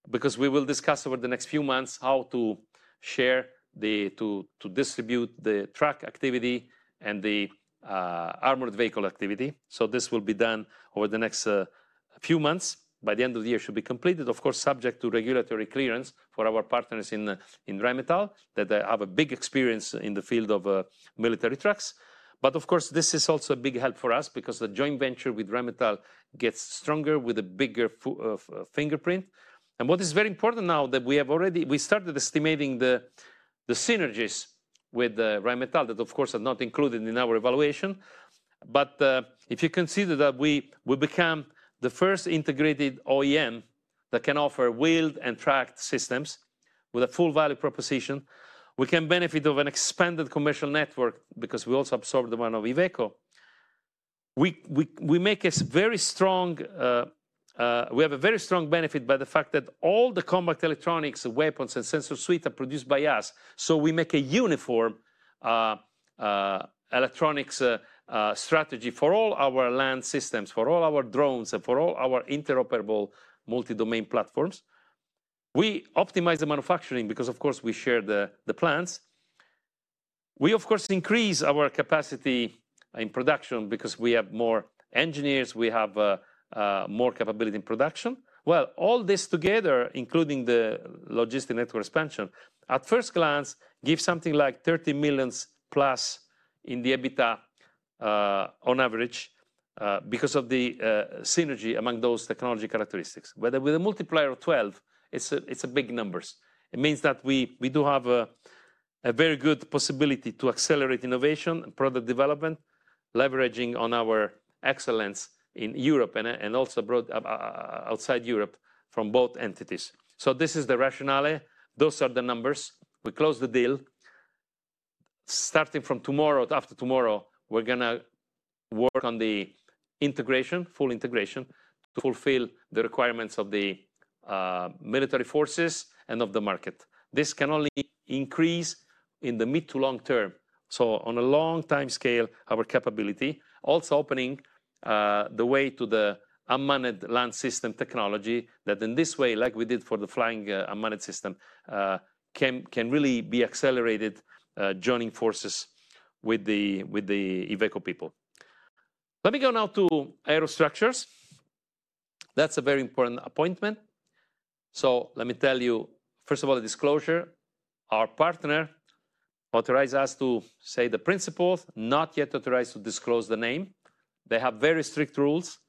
because we will discuss over the next few months how to share to distribute the truck activity and the armored vehicle activity. This will be done over the next few months. By the end of the year, it should be completed, of course, subject to regulatory clearance for our partners in Rheinmetall that have a big experience in the field of military trucks. This is also a big help for us because the joint venture with Rheinmetall gets stronger with a bigger fingerprint. What is very important now is that we have already started estimating the synergies with Rheinmetall that of course are not included in our evaluation. If you consider that we become the first integrated OEM that can offer wheeled and tracked systems with a full value proposition, we can benefit from an expanded commercial network because we also absorbed the one of Iveco. We have a very strong benefit by the fact that all the combat electronics, weapons, and sensor suite are produced by us. We make a uniform electronics strategy for all our land systems, for all our drones, and for all our interoperable multi domain platforms. We optimize the manufacturing because we share the plants. We increase our capacity in production because we have more engineers, we have more capability in production. All this together, including the logistic network expansion, at first glance gives something like 30+ million in the EBITDA on average. Because of the synergy among those technology characteristics, with a multiplier of 12, it's big numbers. It means that we do have a very good possibility to accelerate innovation and product development, leveraging on our excellence in Europe and also outside Europe from both entities. This is the rationale. Those are the numbers. We close the deal starting from tomorrow. After tomorrow, we're going to work on the integration, full integration to fulfill the requirements of the military forces and of the market. This can only increase in the mid to long term. On a long time scale, our capability also opening the way to the unmanned land system technology that in this way, like we did for the flying unmanned system, can really be accelerated. Joining forces with the Iveco people. Let me go now to aerostructures. That's a very important appointment. Let me tell you first of all, the disclosure. Our partner authorized us to say the principles, not yet authorized to disclose the name. They have very strict rules.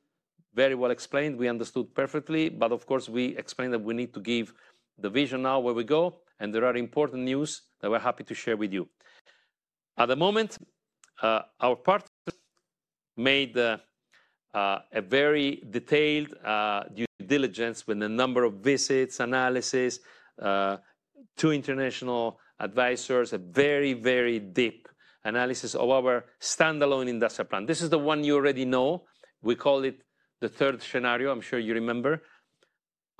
Very well explained. We understood perfectly. Of course, we explained that we need to give the vision now where we go. There are important news that we're happy to share with you at the moment. Our partners made a very detailed due diligence with a number of visits, analysis, two international advisors, a very, very deep analysis of our standalone industrial plan. This is the one you already know. We call it the third scenario, I'm sure you remember.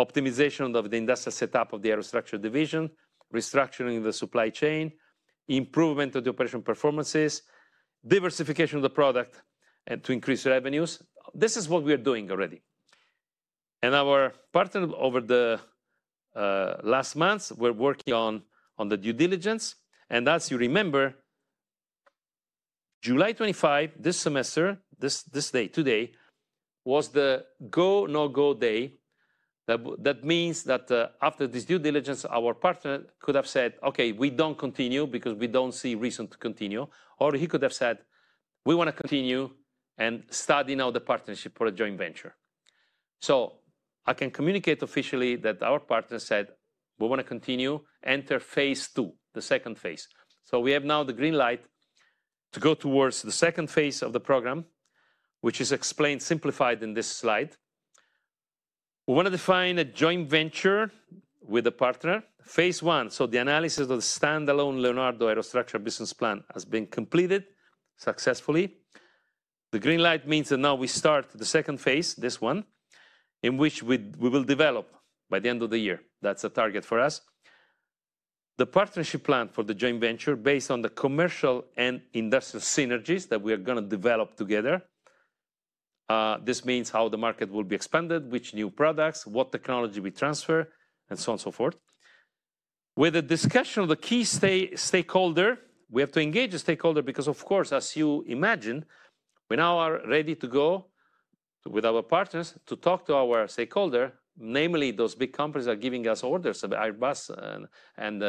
Optimization of the industrial setup of the aerostructure division, restructuring the supply chain, improvement of the operation performances, diversification of the product and to increase revenues. This is what we are doing already and our partner over the last months were working on the due diligence. As you remember, July 25, this semester, this day, today was the go/no-go day. That means that after this due diligence, our partner could have said, okay, we don't continue because we don't see reason to continue. Or he could have said, we want to continue and study now the partnership for a joint venture. I can communicate officially that our partner said we want to continue. Enter phase II, the phase II. We have now the green light to go towards the phase II of the program, which is explained, simplified in this slide. We want to define a joint venture with a partner. Phase I, the analysis of the standalone Leonardo aerostructure business plan has been completed successfully. The green light means that now we start the phase II, this one in which we will develop by the end of the year. That's a target for us, the partnership plan for the joint venture, based on the commercial and industrial synergies that we are going to develop together. This means how the market will be expanded, which new products, what technology we transfer, and so on, so forth with the discussion of the key stakeholder. We have to engage the stakeholder because of course, as you imagine, we now are ready to go with our partners to talk to our stakeholder, namely, those big companies are giving us orders of Airbus and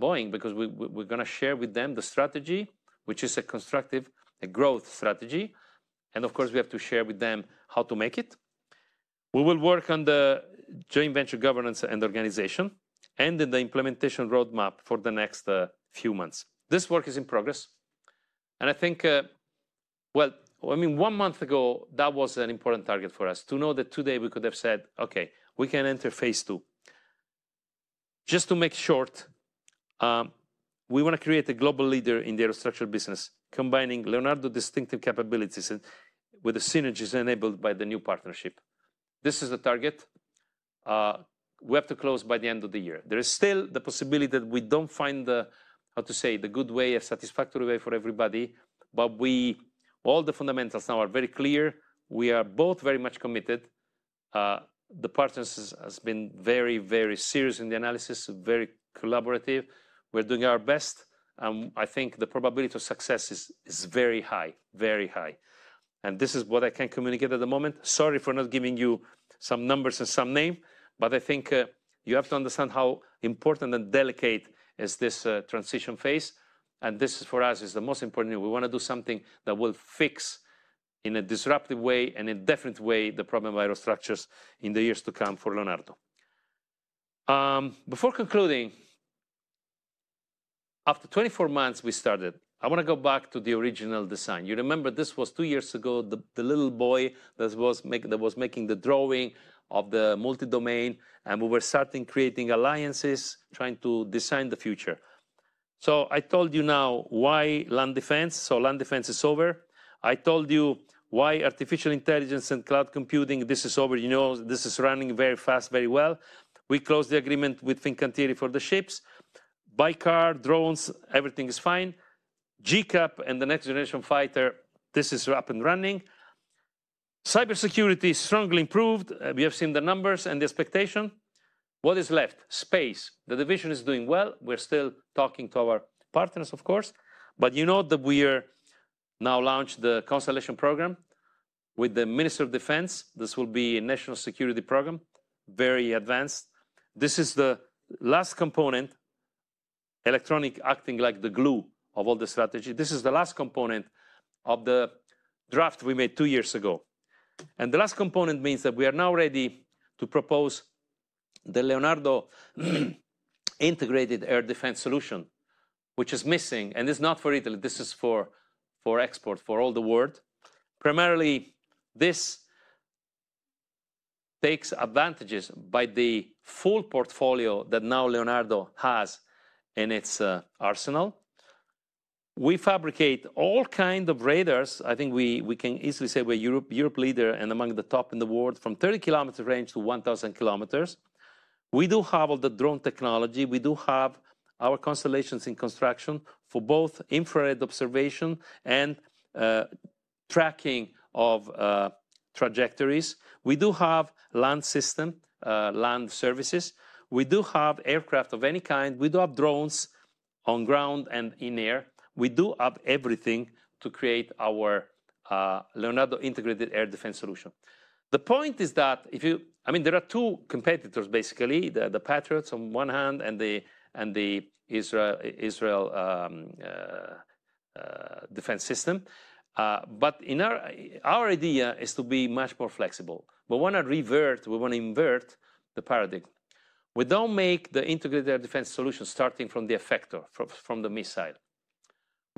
Boeing, because we're going to share with them the strategy, which is a constructive growth strategy. Of course we have to share with them how to make it. We will work on the joint venture governance and organization and in the implementation roadmap for the next few months. This work is in progress. I think, I mean, one month ago that was an important target for us to know that today we could have said, okay, we can enter phase two. Just to make short, we want to create a global leader in the aerostructure business, combining Leonardo distinctive capabilities with the synergies enabled by the new partnership. This is the target we have to close by the end of the year. There is still the possibility that we don't find, how to say, the good way, a satisfactory way for everybody. All the fundamentals now are very clear. We are both very much committed to the partners, has been very, very serious in the analysis. Very collaborative, we're doing our best. I think the probability of success is very high, very high. This is what I can communicate at the moment. Sorry for not giving you some numbers and some name. I think you have to understand how important and delicate is this transition phase. This for us is the most important. We want to do something that will fix in a disruptive way and indefinite way the problem viral structures in the years to come for Leonardo. Before concluding after 24 months, we started. I want to go back to the original design. You remember, this was two years ago, the little boy that was making the drawing of the multi domain. We were starting creating alliances, trying to design the future. I told you now why land defense? Land defense is over. I told you why artificial intelligence and cloud computing. This is over. You know, this is running very fast, very well. We closed the agreement with Fincantieri for the ships, BAYKAR drones, everything is fine. GCAP and the next-generation fighter. This is up and running. Cybersecurity strongly improved. We have seen the numbers and the expectation. What is left space. The division is doing well. We're still talking to our partners, of course. You know that we are now launched the Constellation Program with the Minister of Defense. This will be a national security program, very advanced. This is the last component, electronic, acting like the glue of all the strategy. This is the last component of the draft we made two years ago. The last component means that we leonardo Integrated Air Defense Solution, which is missing and is not for Italy. This is for export for all the world. Primarily this takes advantages by the full portfolio that now Leonardo has in its arsenal. We fabricate all kind of radars. I think we can easily say we're Europe leader and among the top in the world. From 30 km-1,000 km range. We do have all the drone technology. We do have our constellations in construction for both infrared observation and tracking of trajectories. We do have land system land services. We do have aircraft of any kind. We do have drones on ground and in air. We leonardo Integrated Air Defense Solution. the point is that if you, I mean there are two competitors, basically, the Patriots on one hand and the Israel Defense System. Our idea is to be much more flexible. We want to revert, we want to invert the paradigm. We Integrated Air Defense Solution starting from the effector from the missile.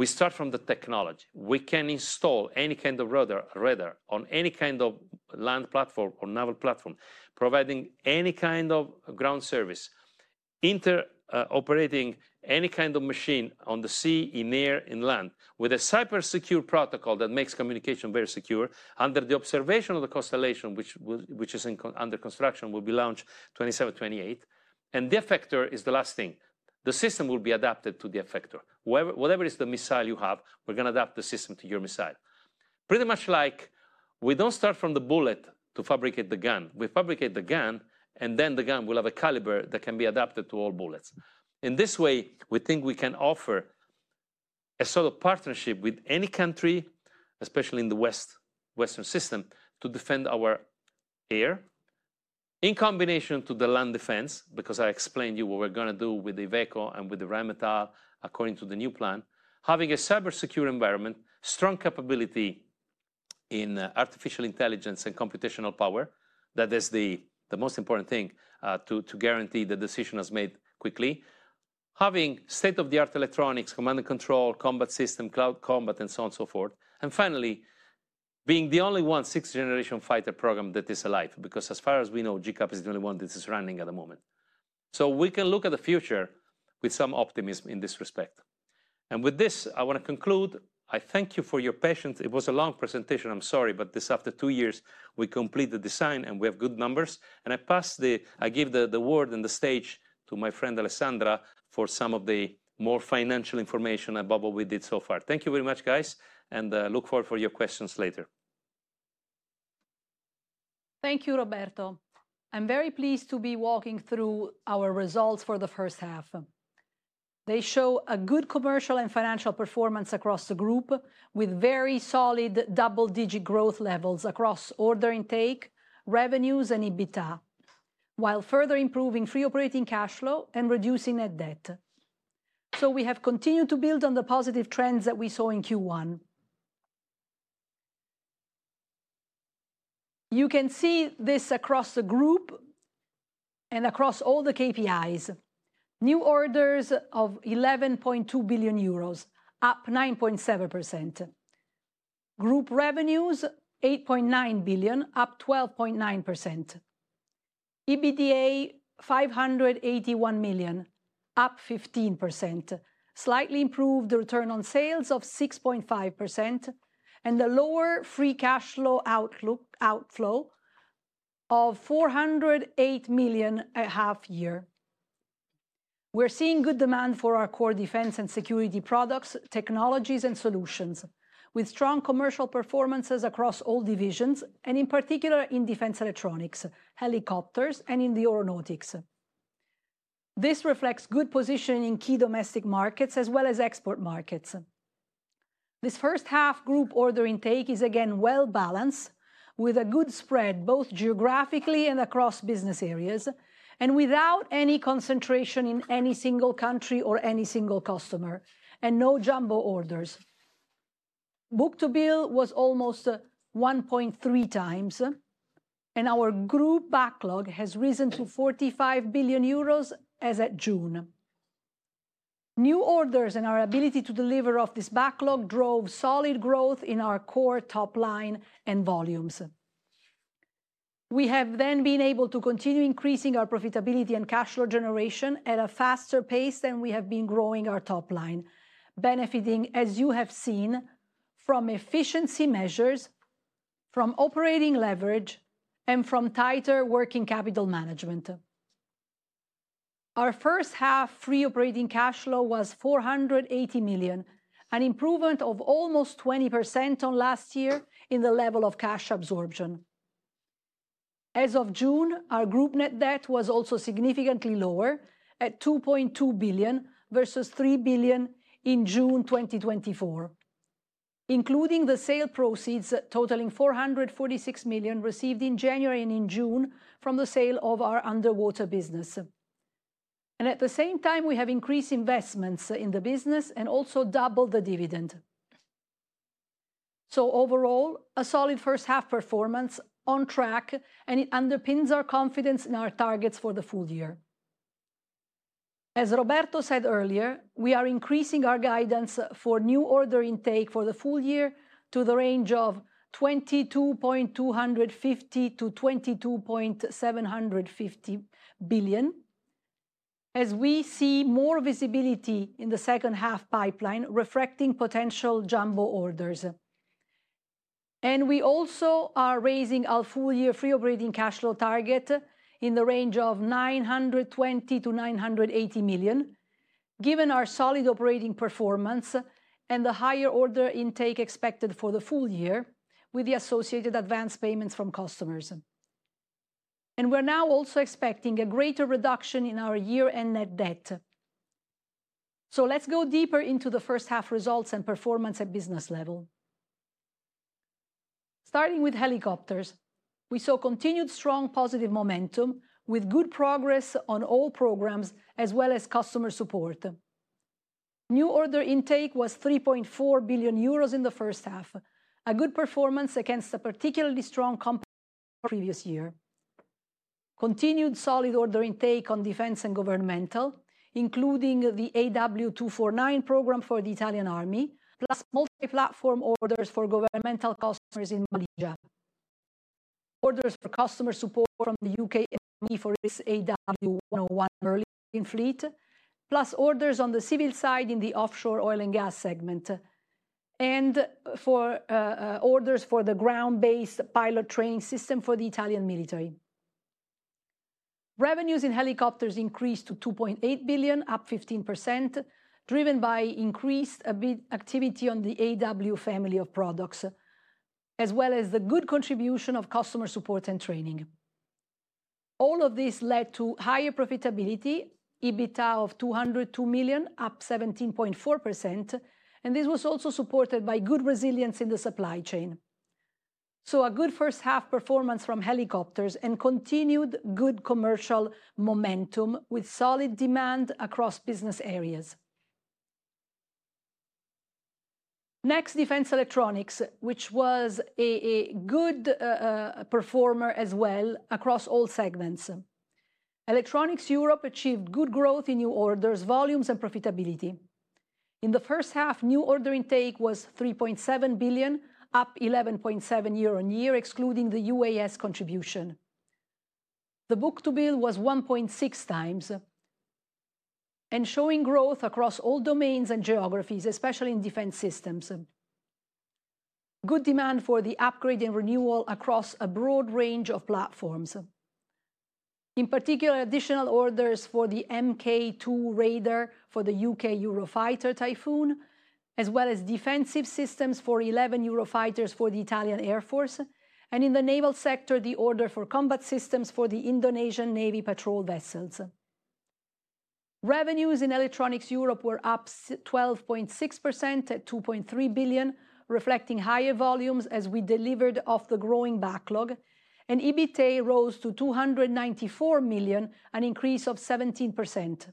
We start from the technology. We can install any kind of radar on any kind of land platform or naval platform providing any kind of ground service, interoperating any kind of machine on the sea, in air, in land, with a cyber secure protocol that makes communication very secure. Under the observation of the Constellation, which is under construction, will be launched 2027, 2028, and the effector is the last thing the system will be adapted to. The effector, whatever is the missile you have, we're going to adapt the system to your missile. Pretty much like we don't start from the bullet to fabricate the gun. We fabricate the gun and then the gun will have a caliber that can be adapted to all bullets. In this way we think we can offer a sort of partnership with any country, especially in the western system to defend our air in combination to the land defense. Because I explained you what we're going to do with the Iveco and with the Rheinmetall according to the new plan. Having a cyber secure environment, strong capability in artificial intelligence and computational power. That is the most important thing to guarantee the decision as made quickly. Having state-of-the-art electronics, command and control combat system, cloud combat and so on, so forth. Finally, being the only 6th Generation Fighter program that is alive. Because as far as we know, GCAP is the only one that is running at the moment. We can look at the future with some optimism in this respect. With this, I want to conclude. I thank you for your patience. It was a long presentation, I'm sorry, but this after two years we complete the design and we have good numbers and I pass the. I give the word and the stage to my friend Alessandra for some of the more financial information about what we did so far. Thank you very much guys and look forward for your questions later. Thank you, Roberto. I'm very pleased to be walking through our results for the first half. They show a good commercial and financial performance across the group with very solid double-digit growth levels across order intake, revenues and EBITDA while further improving free operating cash flow and reducing net debt. We have continued to build on the positive trends that we saw in Q1. You can see this across the group and across all the KPIs. New orders of 11.2 billion euros, up 9.7%. Group revenues 8.9 billion, up 12.9%. EBITDA 581 million, up 15%. Slightly improved return on sales of 6.5% and a lower free cash outflow of 408 million at half-year. We're seeing good demand for our core defense and security products, technologies and solutions with strong commercial performances across all divisions and in particular in defense electronics, helicopters and in the aeronautics. This reflects good position in key domestic markets as well as export markets. This first half group order intake is again well balanced with a good spread both geographically and across business areas and without any concentration in any single country or any single customer. No jumbo orders. Book to bill was almost 1.3x and our group backlog has risen to 45 billion euros as at June. New orders and our ability to deliver off this backlog drove solid growth in our core top line and volumes. We have then been able to continue increasing our profitability and cash flow generation at a faster pace than we have been growing our top line, benefiting as you have seen from efficiency measures, from operating leverage and from tighter working capital management. Our first half free operating cash flow was 480 million, an improvement of almost 20% on last year in the level of cash absorption. As of June, our group net debt was also significantly lower at 2.2 billion versus 3 billion in June 2024, including the sale proceeds totaling 446 million received in January and in June from the sale of our underwater business. At the same time we have increased investments in the business and also doubled the dividend. Overall a solid first half performance on track and it underpins our confidence in our targets for the full year. As Roberto said earlier, we are increasing our guidance for new order intake for the full year to the range of 22.250 billion-22.750 billion as we see more visibility in the second half pipeline reflecting potential jumbo orders. We also are raising our full year free operating cash flow target in the range of 920 million-980 million. Given our solid operating performance and the higher order intake expected for the full year with the associated advance payments from customers, we are now also expecting a greater reduction in our year end net debt. Let's go deeper into the first half results and performance at business level. Starting with helicopters, we saw continued strong positive momentum with good progress on all programs as well as customer support. New order intake was 3.4 billion euros in the first half, a good performance against a particularly strong company previous year. Continued solid order intake on defense and governmental including the AW249 program for the Italian Army, plus multi-platform orders for governmental customers in Malaysia, orders for customer support from the U.K. for its AW101 Berlin fleet, plus orders on the civil side in the offshore oil and gas segment and for orders for the ground based pilot training system for the Italian military. Revenues in helicopters increased to 2.8 billion, up 15%, driven by increased activity on the AW family of products as well as the good contribution of customer support and training. All of this led to higher profitability, EBITDA of 202 million, up 17.4%, and this was also supported by good resilience in the supply chain. A good first half performance from helicopters and continued good commercial momentum with solid demand across business areas. Next, Defence Electronics, which was a good performer as well across all segments. Electronics Europe achieved good growth in new orders, volumes, and profitability in the first half. New order intake was 3.7 billion, up 11.7% year-on-year. Excluding the UAS contribution, the book to bill was 1.6x and showing growth across all domains and geographies, especially in defense systems. Good demand for the upgrade and renewal across a broad range of platforms. In particular, additional orders for the Raider Mk2 for the U.K. Eurofighter Typhoon as well as defensive systems for 11 Eurofighters for the Italian Air Force and in the naval sector, the order for combat systems for the Indonesian Navy patrol vessels. Revenues in Electronics Europe were up 12.6% at $2.3 billion, reflecting higher volumes as we delivered off the growing backlog, and EBITA rose to $294 million, an increase of 17%.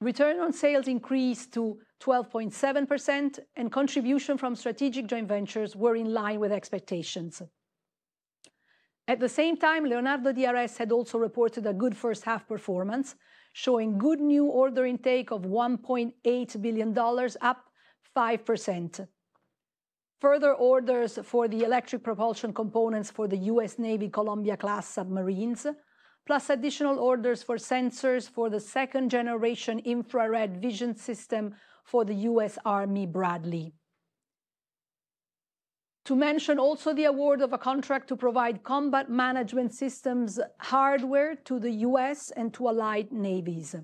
Return on sales increased to 12.7% and contributions from strategic joint ventures were in line with expectations. At the same time, Leonardo DRS had also reported a good first half performance, showing good new order intake of $1.8 billion, up 5%. Further orders for the electric propulsion components for the U.S. Navy Columbia Class submarines plus additional orders for sensors for the 2nd generation infrared-vision system for the U.S. Army Bradley, to mention also the award of a contract to provide combat management systems hardware to the U.S. and to allied navies.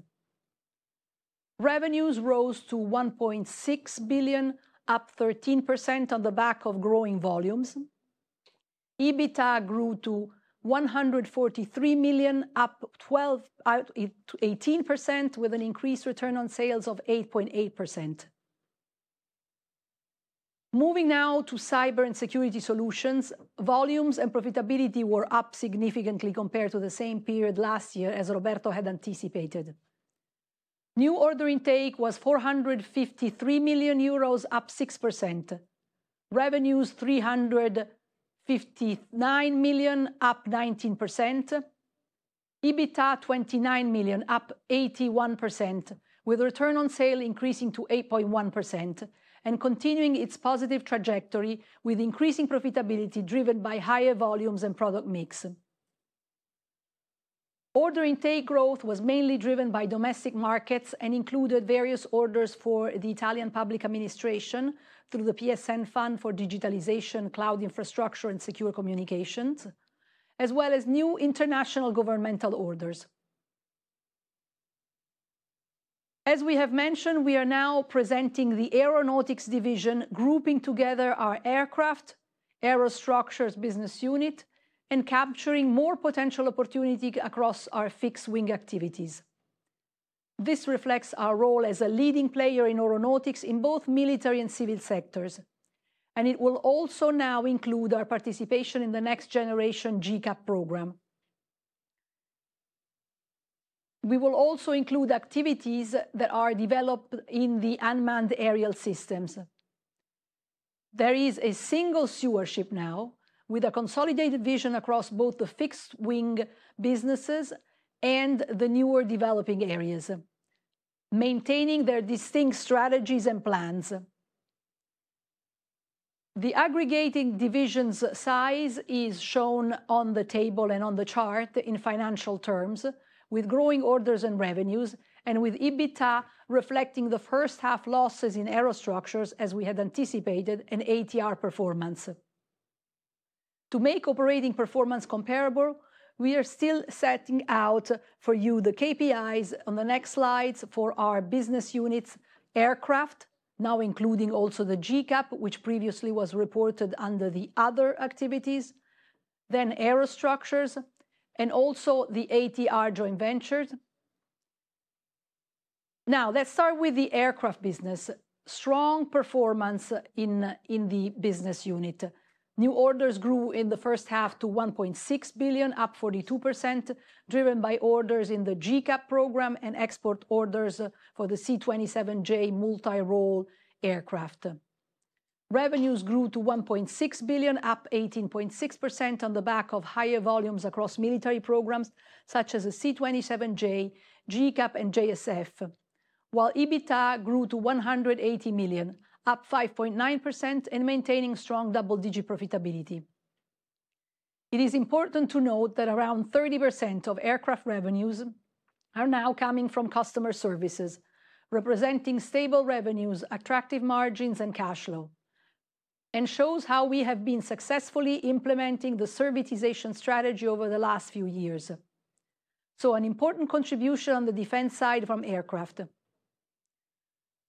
Revenues rose to $1.6 billion, up 13%. On the back of growing volumes, EBITDA grew to $143 million, up 18% with an increased return on sales of 8.8%. Moving now to cyber and security solutions, volumes and profitability were up significantly compared to the same period last year as Roberto had anticipated. New order intake was 453 million euros, up 6%. Revenues 359 million, up 19%. EBITDA 29 million, up 81% with return on sales increasing to 8.1% and continuing its positive trajectory with increasing profitability driven by higher volumes and product mix. Order intake growth was mainly driven by domestic markets and included various orders for the Italian public administration through the PSN fund for digitalization, cloud infrastructure and secure communications as well as new international governmental orders. As we have mentioned, we are now presenting the Aeronautics Division grouping together our Aircraft Aerostructures business unit and capturing more potential opportunity across our fixed-wing activities. This reflects our role as a leading player in aeronautics in both military and civil sectors and it will also now include our participation in the next-generation GCAP program. We will also include activities that are developed in the unmanned aerial systems. There is a single sewership now with a consolidated vision across both the fixed-wing businesses and the newer developing areas, maintaining their distinct strategies and plans. The aggregating division's size is shown on the table and on the chart in financial with growing orders and revenues and with EBITDA reflecting the first half losses in aerostructures as we had anticipated and ATR performance to make operating performance comparable. We are still setting out for you the KPIs on the next slides for our business units aircraft, now including also the GCAP, which previously was reported under the other activities, then Aerostructures, and also the ATR joint ventures. Now let's start with the aircraft business. Strong performance in the business unit. New orders grew in the first half to 1.6 billion, up 42%, driven by orders in the GCAP program and export orders. For the C-27J Spartan, revenues grew to 1.6 billion, up 18.6% on the back of higher volumes across military programs such as the C-27J Spartan, GCAP, and JSF, while EBITA grew to 180 million, up 5.9% and maintaining strong double-digit profitability. It is important to note that around 30% of aircraft revenues are now coming from customer services, representing stable revenues, attractive margins, and cash flow, and shows how we have been successfully implementing the servitization strategy over the last few years. An important contribution on the defense side from aircraft.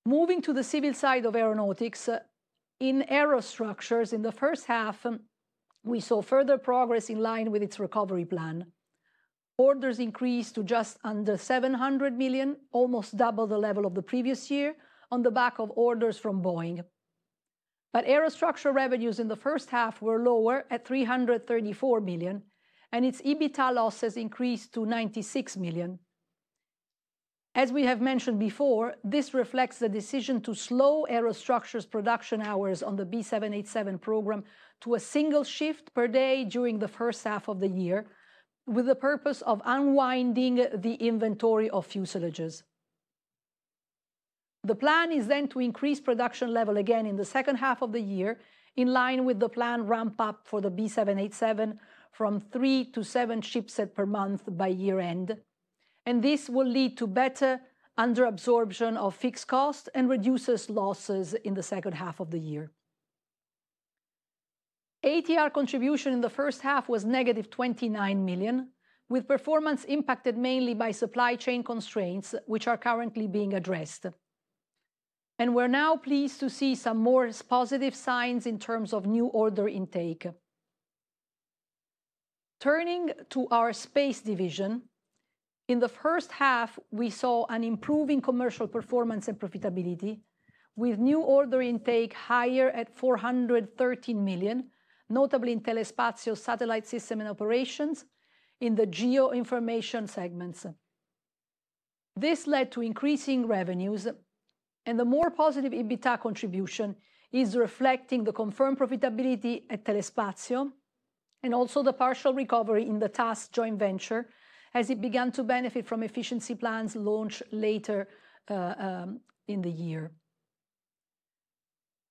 Moving to the civil side of aeronautics, in Aerostructures in the first half we saw further progress in line with its recovery plan, orders increased to just under 700 million, almost double the level of the previous year on the back of orders from Boeing. Aerostructure revenues in the first half were lower at 334 million, and its EBITDA loss has increased to 96 million. As we have mentioned before, this reflects the decision to slow Aerostructures' production hours on the Boeing 787 program to a single-shift per day during the first half of the year with the purpose of unwinding the inventory of fuselages. The plan is then to increase production level again in the second half of the year in line with the planned ramp up for the Boeing 787 from three-seven shipsets per month by year end, and this will lead to better under absorption of fixed costs and reduces losses in the second half of the year. ATR contribution in the first half was -29 million, with performance impacted mainly by supply chain constraints, which are currently being addressed. We are now pleased to see some more positive signs in terms of new order intake. Turning to our space division, in the first half we saw an improving commercial performance and profitability, with new order intake higher at 413 million, notably in Telespazio's satellite system and operations in the Geo Information segments. This led to increasing revenues and the more positive EBITDA contribution is reflecting the confirmed profitability at Telespazio and also the partial recovery in the TAS Joint Venture as it began to benefit from efficiency plans launched later in the year.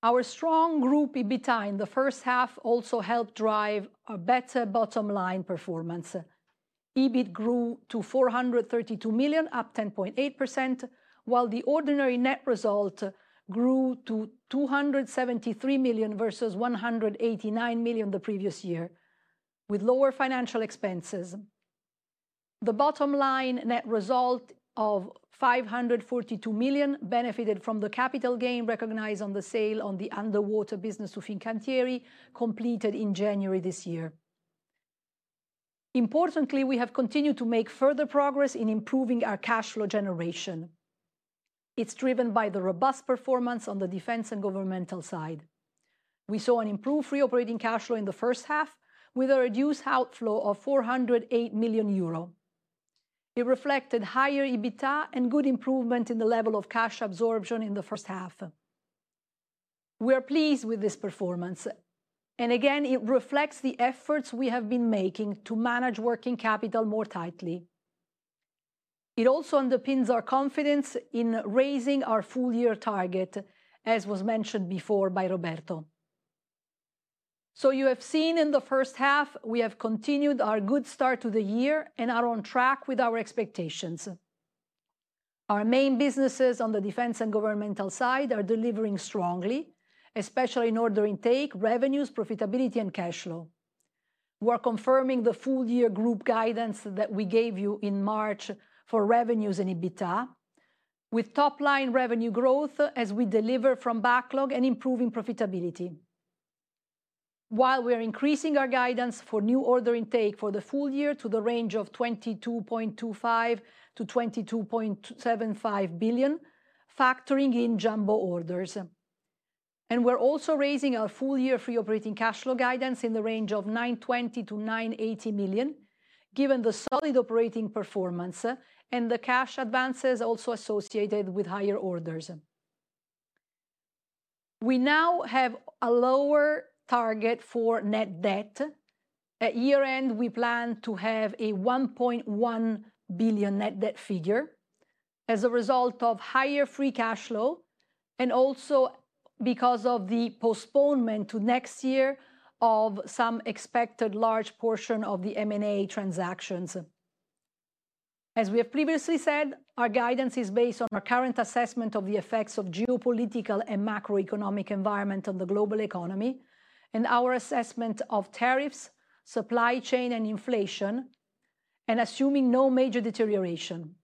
Our strong group EBITDA in the first half also helped drive a better bottom line performance. EBIT grew to 432 million, up 10.8%, while the ordinary net result grew to 273 million versus EUR AW189 million the previous year with lower financial expenses. The bottom line net result of $542 million benefited from the capital gain recognized on the sale of the underwater business to Fincantieri completed in January this year. Importantly, we have continued to make further progress in improving our cash flow generation. It's driven by the robust performance on the defense and governmental side. We saw an improved free operating cash flow in the first half with a reduced outflow of 408 million euro. It reflected higher EBITDA and good improvement in the level of cash absorption in the first half. We are pleased with this performance and again it reflects the efforts we have been making to manage working capital more tightly. It also underpins our confidence in raising our full year target as was mentioned before by Roberto. You have seen in the first half we have continued our good start to the year and are on track with our expectations. Our main businesses on the defense and governmental side are delivering strongly, especially in order intake, revenues, profitability, and cash flow. We are confirming the full year group guidance that we gave you in March for revenues and EBITDA with top line revenue growth as we deliver from backlog and improving profitability. While we are increasing our guidance for new order intake for the full year to the range of 22.25 billion-22.75 billion, factoring in jumbo orders. We are also raising our full year free operating cash flow guidance in the range of 920 million-980 million. Given the solid operating performance and the cash advances also associated with higher orders, we now have a lower target for net debt at year end. We plan to have a 1.1 billion net debt figure as a result of higher free cash flow and also because of the postponement to next year of some expected large portion of the M&A transactions. As we have previously said, our guidance is based on our current assessment of the effects of geopolitical and macroeconomic environment on the global economy and our assessment of tariffs, supply chain and inflation and assuming no major deterioration.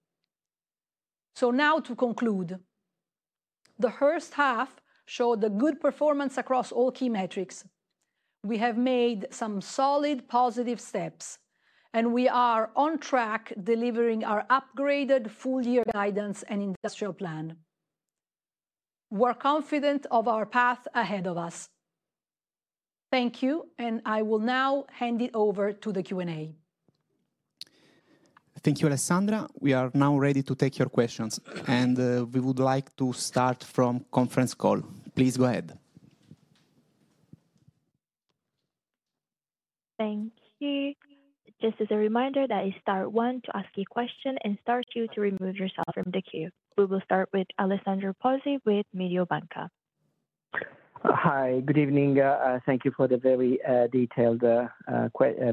To conclude, the first half showed the good performance across all key metrics. We have made some solid positive steps and we are on track delivering our upgraded full year guidance and industrial plan. We're confident of our path ahead of us. Thank you. I will now hand it over to the Q&A. Thank you Alessandra. We are now ready to take your questions and we would like to start from conference call. Please go ahead. Thank you. Just as a reminder that it's star one to ask a question and star two to remove yourself from the queue. We will start with Alessandro Pozzi with Mediobanca. Hi, good evening. Thank you for the very detailed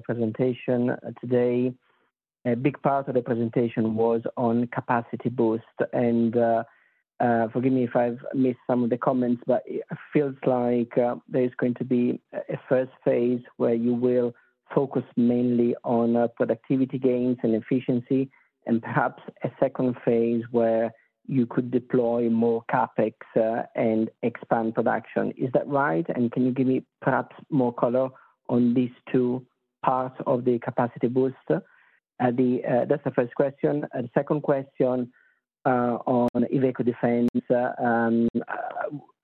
presentation today. A big part of the presentation was on capacity boost and forgive me if I've missed some of the comments, but it feels like there's going to be a first phase where you will focus mainly on productivity gains and efficiency and perhaps a phase II where you could deploy more CapEx and expand production. Is that right? And can you give me perhaps more color on these two parts of the capacity boost? That's the first question. The second question on Iveco Defence,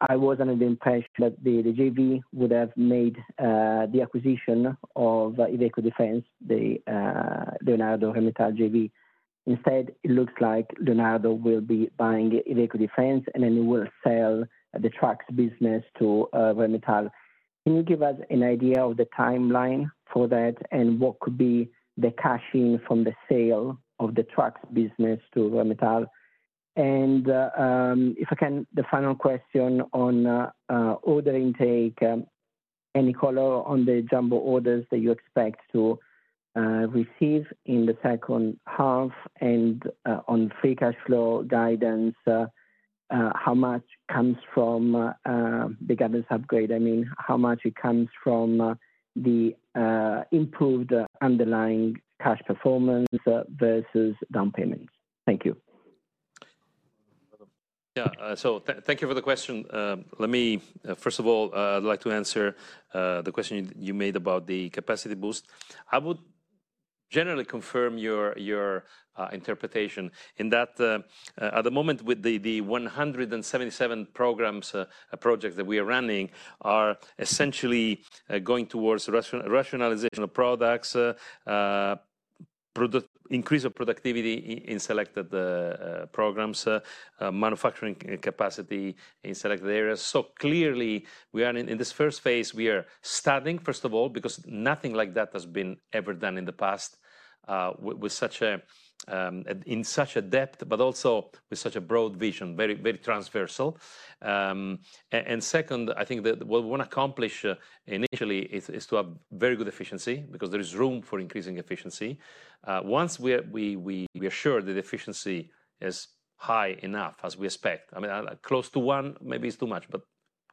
I was under the impression that the JV would have made the acquisition of Iveco Defence the Leonardo Hermitage. Instead it looks like Leonardo will be buying Iveco Defence and then will sell the trucks business to Rheinmetall. Can you give us an idea of the timeline for that and what could be the cash in from the sale of the trucks business to Rheinmetall. And if I can, the final question on order intake, any color on the jumbo orders that you expect to receive in the second half? And on free cash flow guidance, how much comes from the guidance upgrade? I mean how much it comes from the improved underlying cash performance versus down payments. Thank you. Thank you for the question. First of all, I'd like to answer the question you made about the capacity boost. I would generally confirm your interpretation in that at the moment, with the 177 programs, projects that we are running are essentially going towards rationalization of products, increase of productivity in selected programs, manufacturing capacity in selected areas. Clearly we are in this phase I. We are studying first of all, because nothing like that has been ever done in the past in such a depth, but also with such a broad vision, very transversal. Second, I think that what we want to accomplish initially is to have very good efficiency, because there is room for increasing efficiency once we are sure that efficiency is high enough, as we expect. I mean, close to 1, maybe it's too much, but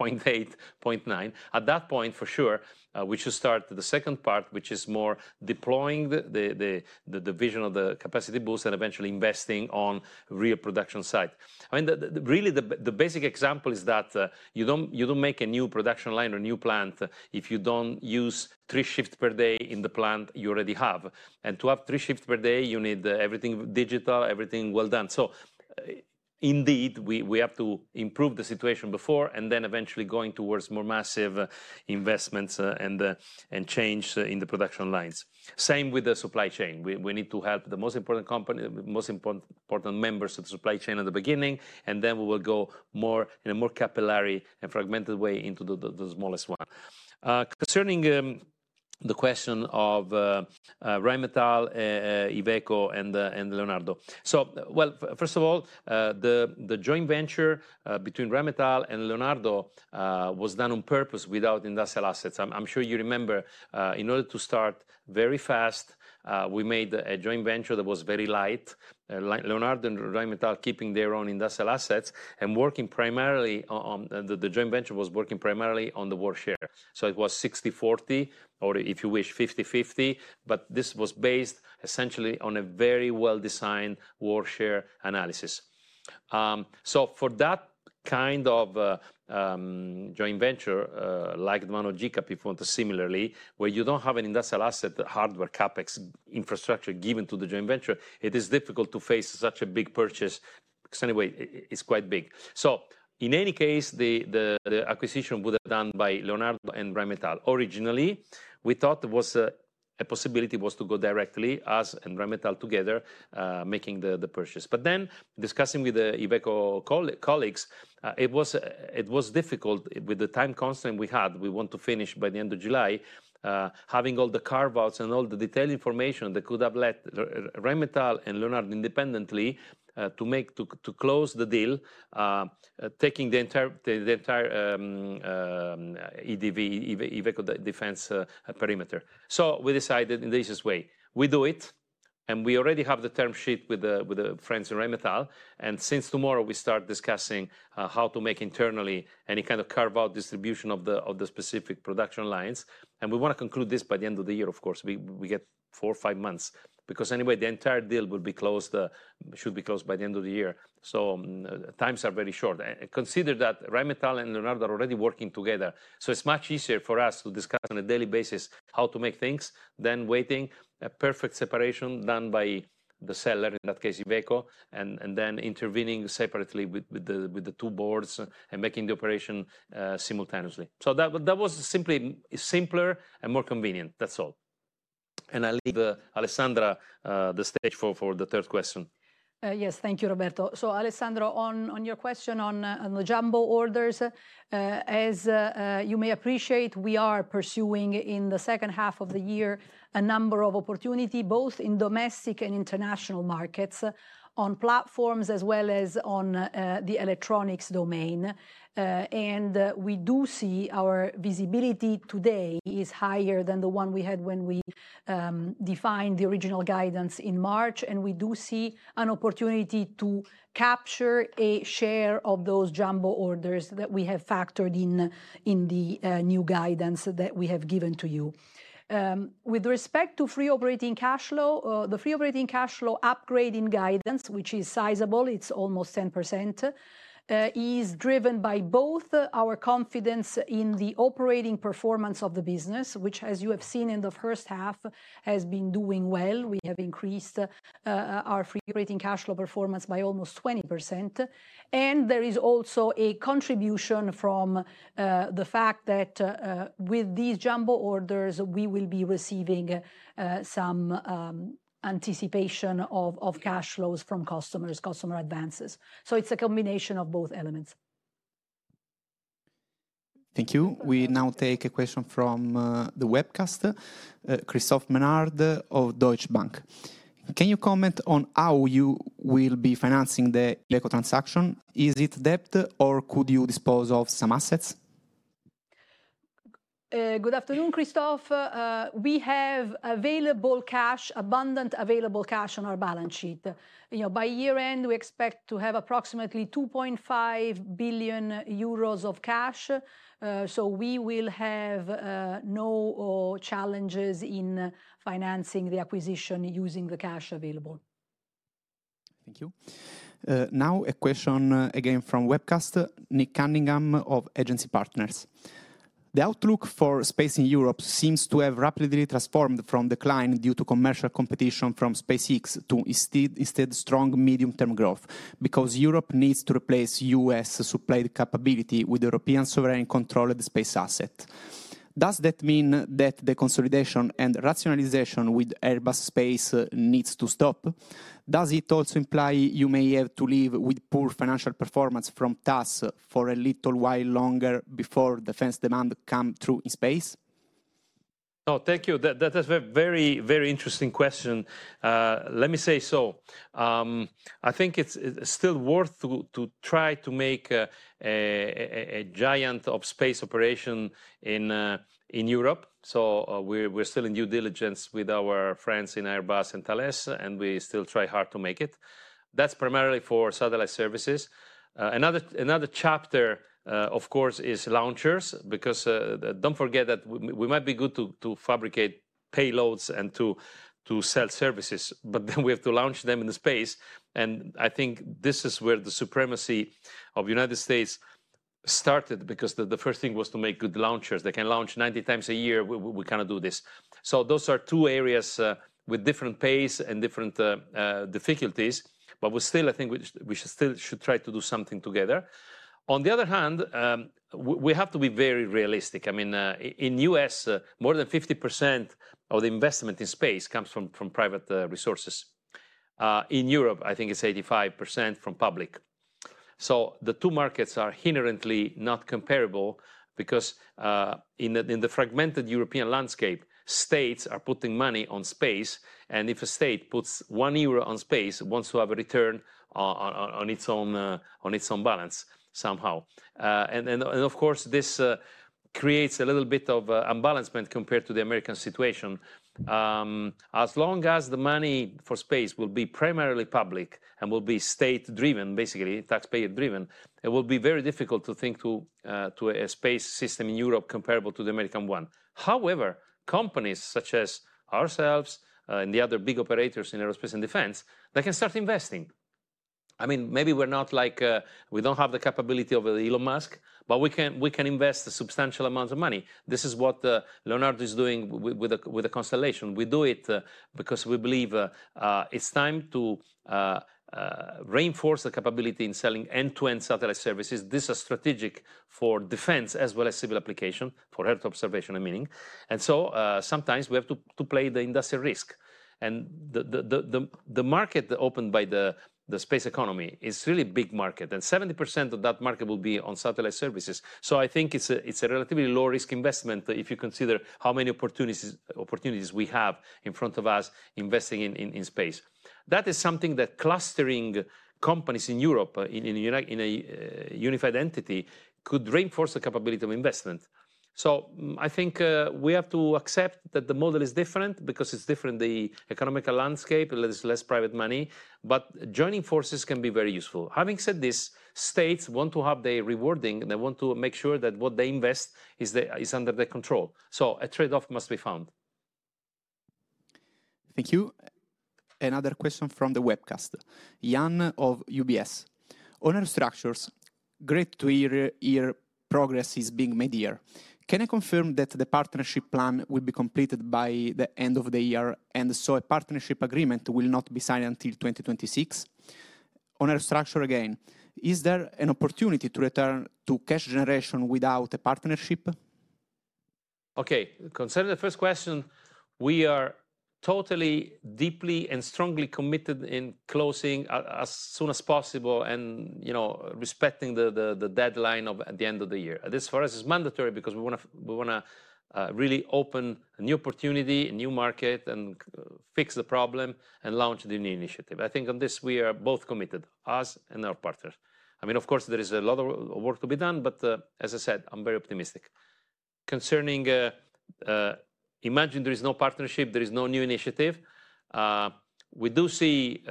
0.8, 0.9 at that point for sure, we should start the second part, which is more deploying the division of the capacity boost and eventually investing on real production sites. I mean, really the basic example is that you don't make a new production line or new plant if you don't use three shifts per day in the plant you already have. To have three shifts per day, you need everything digital, everything well done. Indeed, we have to improve the situation before and then eventually going towards more massive investments and change in the production lines. Same with the supply chain. We need to help the most important company, most important, important members of the supply chain at the beginning. Then we will go more in a more capillary and fragmented way into the smallest one. Concerning the question of Rheinmetall, Iveco and Leonardo. First of all, the joint venture between Rheinmetall and Leonardo was done on purpose, without industrial assets. I'm sure you remember, in order to start very fast, we made a joint venture that was very light, Leonardo and Rheinmetall keeping their own industrial assets and working primarily. The joint venture was working primarily on the WARSHARE, so it was 60/40 or if you wish, 50/50. This was based essentially on a very well designed WARSHARE analysis. For that kind of joint venture, like the Mano GCAP, if you want to, similarly, where you don't have an industrial asset, hardware, CapEx infrastructure given to the joint venture, it is difficult to face such a big purchase, because anyway it's quite big. In any case, the acquisition would have been done by Leonardo and Rheinmetall. Originally we thought there was a possibility to go directly, us and Rheinmetall together making the purchase. Then, discussing with the Iveco colleagues, it was difficult with the time constraints we had. We want to finish by the end of July having all the carve-outs and all the detailed information that could have led Rheinmetall and Leonardo independently to close the deal, taking the entire Iveco Defence perimeter. We decided the easiest way is to do it together. We already have the term sheet with the friends in Rheinmetall. Starting tomorrow, we begin discussing how to make internally a kind of carve-out distribution of the specific production lines. We want to conclude this by the end of the year. Of course, we get four or five months because anyway the entire deal should be closed by the end of the year. Times are very short. Consider that Rheinmetall and Leonardo are already working together, so it is much easier for us to discuss on a daily basis how to make things than waiting for a perfect separation done by the seller, in that case, Iveco, and then intervening separately with the two boards and making the operation simultaneously. That was simply simpler and more convenient. That's all. I'll leave Alessandra the stage for the third question. Yes, thank you, Roberto. Alessandro, on your question on the jumbo orders, as you may appreciate, we are pursuing in the second half of the year a number of opportunities both in domestic and international markets, on platforms as well as on the electronics domain. We do see our visibility today is higher than the one we had when we defined the original guidance in March. We do see an opportunity to capture a share of those jumbo orders that we have factored in the new guidance that we have given to you with respect to free operating cash flow. The free operating cash flow upgrade in guidance, which is sizable, it's almost 10%, is driven by both our confidence in the operating performance of the business, which, as you have seen in the first half, has been doing well. We have increased our free operating cash flow performance by almost 20%. There is also a contribution from the fact that with these jumbo orders we will be receiving some anticipation of cash flows from customers, customer advances. It is a combination of both elements. Thank you. We now take a question from the webcast. Christophe Menard of Deutsche Bank, can you comment on how you will be financing the LECO transaction? Is it debt or could you dispose of some assets? Good afternoon, Christophe. We have available cash, abundant available cash on our balance sheet. By year end we expect to have approximately 2.5 billion euros of cash. We will have no challenges in financing the acquisition using the cash available. Thank you. Now a question again from Webcast Nick Cunningham of Agency Partners. The outlook for space in Europe seems to have rapidly transformed from decline due to commercial competition from SpaceX to instead strong medium term growth. Because Europe needs to replace U.S. supplied capability with European sovereign controlled space asset. Does that mean that the consolidation and rationalization with Airbus space needs to stop? Does it also imply you may have to live with poor financial performance from TAS for a little while longer before defense demand come true in space? Oh, thank you. That is a very, very interesting question, let me say. I think it's still worth to try to make a giant of space operation in Europe. We're still in due diligence with our friends in Airbus and Thales, and we still try hard to make it. That's primarily for satellite services. Another chapter of course is launchers, because don't forget that we might be good to fabricate launch payloads and to sell services, but then we have to launch them in the space. I think this is where the supremacy of the U.S. started. The first thing was to make good launchers. They can launch 90x a year. We cannot do this. Those are two areas with different pace and different difficulties. Still, I think we still should try to do something together. On the other hand, we have to be very realistic. I mean, in the U.S. more than 50% of the investment in space comes from private resources. In Europe, I think it's 85% from public. The two markets are inherently not comparable because in the fragmented European landscape, states are putting money on space. If a state puts 1 euro on space, it wants to have a return on its own balance somehow, and of course this creates a little bit of unbalancement compared to the American situation. As long as the money for space will be primarily public and will be state driven, basically taxpayer driven, it will be very difficult to think to a space system in Europe comparable to the American one. However, companies such as ourselves and the other big operators in aerospace and defense, they can start investing. I mean, maybe we're not like we don't have the capability of Elon Musk, but we can invest a substantial amount of money. This is what Leonardo is doing with the Constellation. We do it because we believe it's time to reinforce the capability in selling end to end satellite services. This is strategic for defense as well as civil application for earth observation and meaning. Sometimes we have to play the industrial risk. The market opened by the space economy is really a big market. 70% of that market will be on satellite services. I think it's a relatively low risk investment if you consider how many opportunities we have in front of us investing in space, that is something that clustering companies in Europe in a unified entity could reinforce the capability of investment. I think we have to accept that the model is different because it's different the economical landscape. There's less private money, but joining forces can be very useful. Having said this, states want to have the rewarding and they want to make sure that what they invest is under their control. A trade off must be found. Thank you. Another question from the webcast, Jan of UBS Owner Structures. Great to hear progress is being made here. Can I confirm that the partnership plan will be completed by the end of the year, and so a partnership agreement will not be signed until 2026 on our structure? Again, is there an opportunity to return to cash generation without a partnership? Okay, concerning the first question, we are totally, deeply and strongly committed in closing as soon as possible and, you know, respecting the deadline of the end of the year. This for us is mandatory because we want. We want to really open a new opportunity, a new market and fix the problem and launch the new initiative. I think on this we are both committed, us and our partners. I mean, of course there is a lot of work to be done, but as I said, I'm very optimistic concerning imagine there is no partnership, there is no new initiative. We do see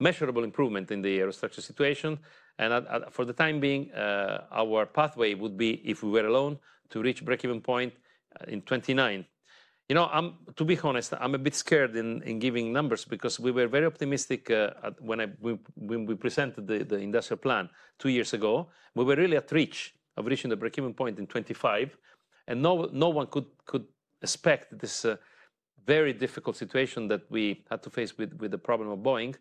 measurable improvement in the aerostructure situation. And for the time being our pathway would be if we were alone to reach breakeven point in 2019. To be honest, I'm a bit scared in giving numbers because we were very optimistic when we presented the industrial plan two years ago. We were really at reach of reaching the breaking point in 2025 and no one could expect this very difficult situation that we had to face with the problem of Boeing.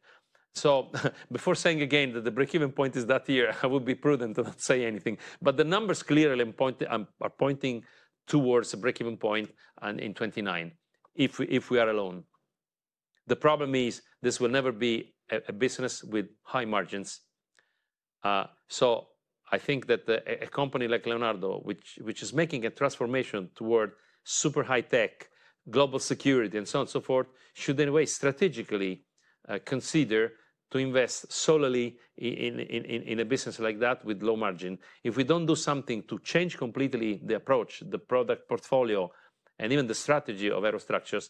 Before saying again that the breakeven point is that year, I would be prudent to not say anything. The numbers clearly are pointing towards a breakeven point in 2029 if we are alone. The problem is this will never be a business with high margins. I think that a company like Leonardo, which is making a transformation toward super high tech, global security and so on and so forth, should in a way strategically consider to invest solely in a business like that with low margin. If we don't do something to change completely the approach, the product portfolio and even the strategy of aerostructures,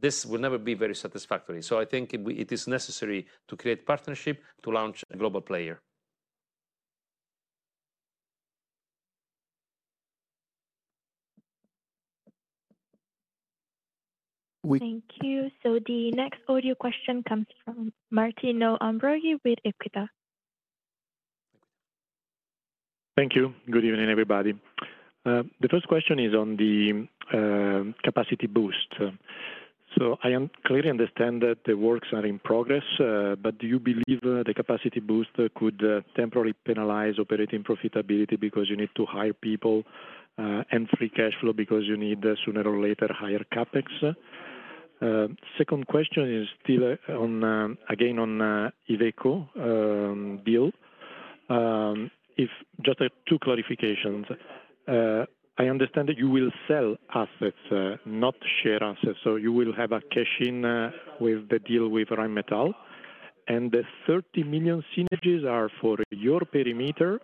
this will never be very satisfactory. I think it is necessary to create partnership to launch a global player. Thank you. The next audio question comes from Martino De Ambroggi with EQUITA. Thank you. Good evening everybody. The first question is on the capacity boost. I clearly understand that the works are in progress. Do you believe the capacity boost could temporarily penalize operating profitability because you need to hire people and free cash flow because you need sooner or later higher CapEx? Second question is still again on Iveco deal. Just two clarifications. I understand that you will sell assets, not share assets. You will have a cash in with the deal with Rheinmetall and the 30 million synergies are for your perimeter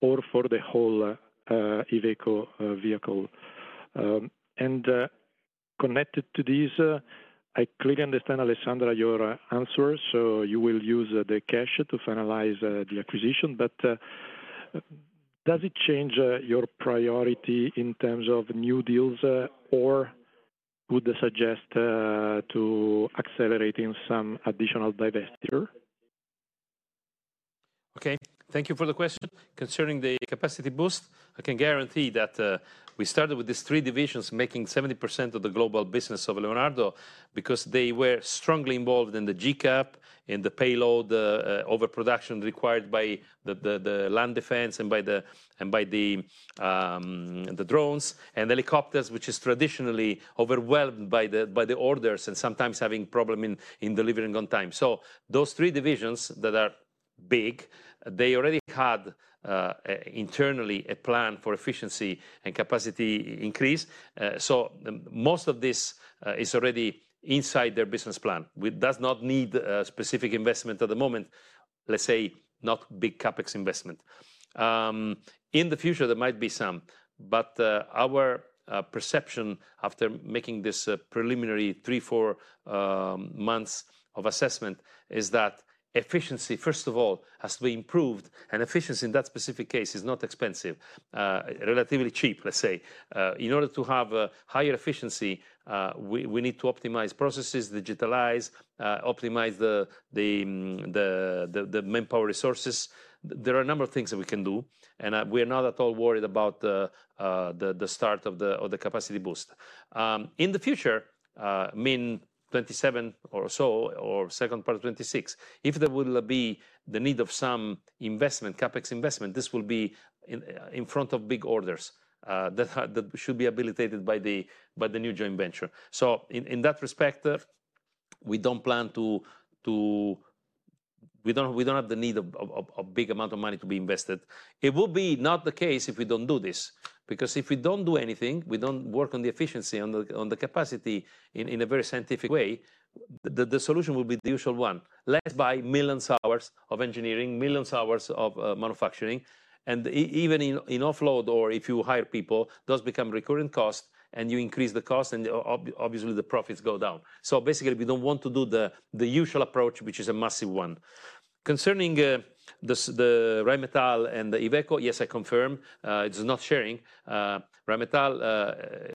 or for the whole Iveco vehicle. Connected to this, I clearly understand. Alessandra, your answer. You will use the cash to finalize the acquisition, but does it change your priority in terms of new deals or would they suggest accelerating some additional divestiture? Okay, thank you for the question concerning the capacity boost. I can guarantee that we started with these three divisions making 70% of the global business of Leonardo because they were strongly involved in the GCAP in the payload over production required by the land defense and by the drones and helicopters, which is traditionally overwhelmed by the orders and sometimes having problem in delivering on time. Those three divisions that are big, they already had internally a plan for efficiency and capacity increase. Most of this is already inside their business plan. It does not need specific investment at the moment, let's say not big CapEx investment in the future. There might be some. Our perception after making this preliminary three, four months of assessment is that efficiency first of all has to be improved and efficiency in that specific case is not expensive, relatively cheap let's say. In order to have higher efficiency we need to optimize processes, digitalize, optimize the manpower resources. There are a number of things that we can do and we are not at all worried about the start of the capacity boost in the future, min 2027 or so, or second part of 2026. If there will be the need of some investment, CapEx investment, this will be in front of big orders that should be habilitated by the new joint venture. In that respect we don't plan to. We don't have the need of a big amount of money to be invested. It will be not the case if we don't do this. Because if we don't do anything, work on the efficiency, on the capacity in a very scientific way, the solution will be the usual one, let's buy millions hours of engineering, millions hours of manufacturing and even in offload or if you hire people, those become recurring cost and you increase the cost and obviously the profits go down. Basically we don't want to do the usual approach, which is a massive one. Concerning the Rheinmetall and the Iveco, yes, I confirm it's not sharing. Rheinmetall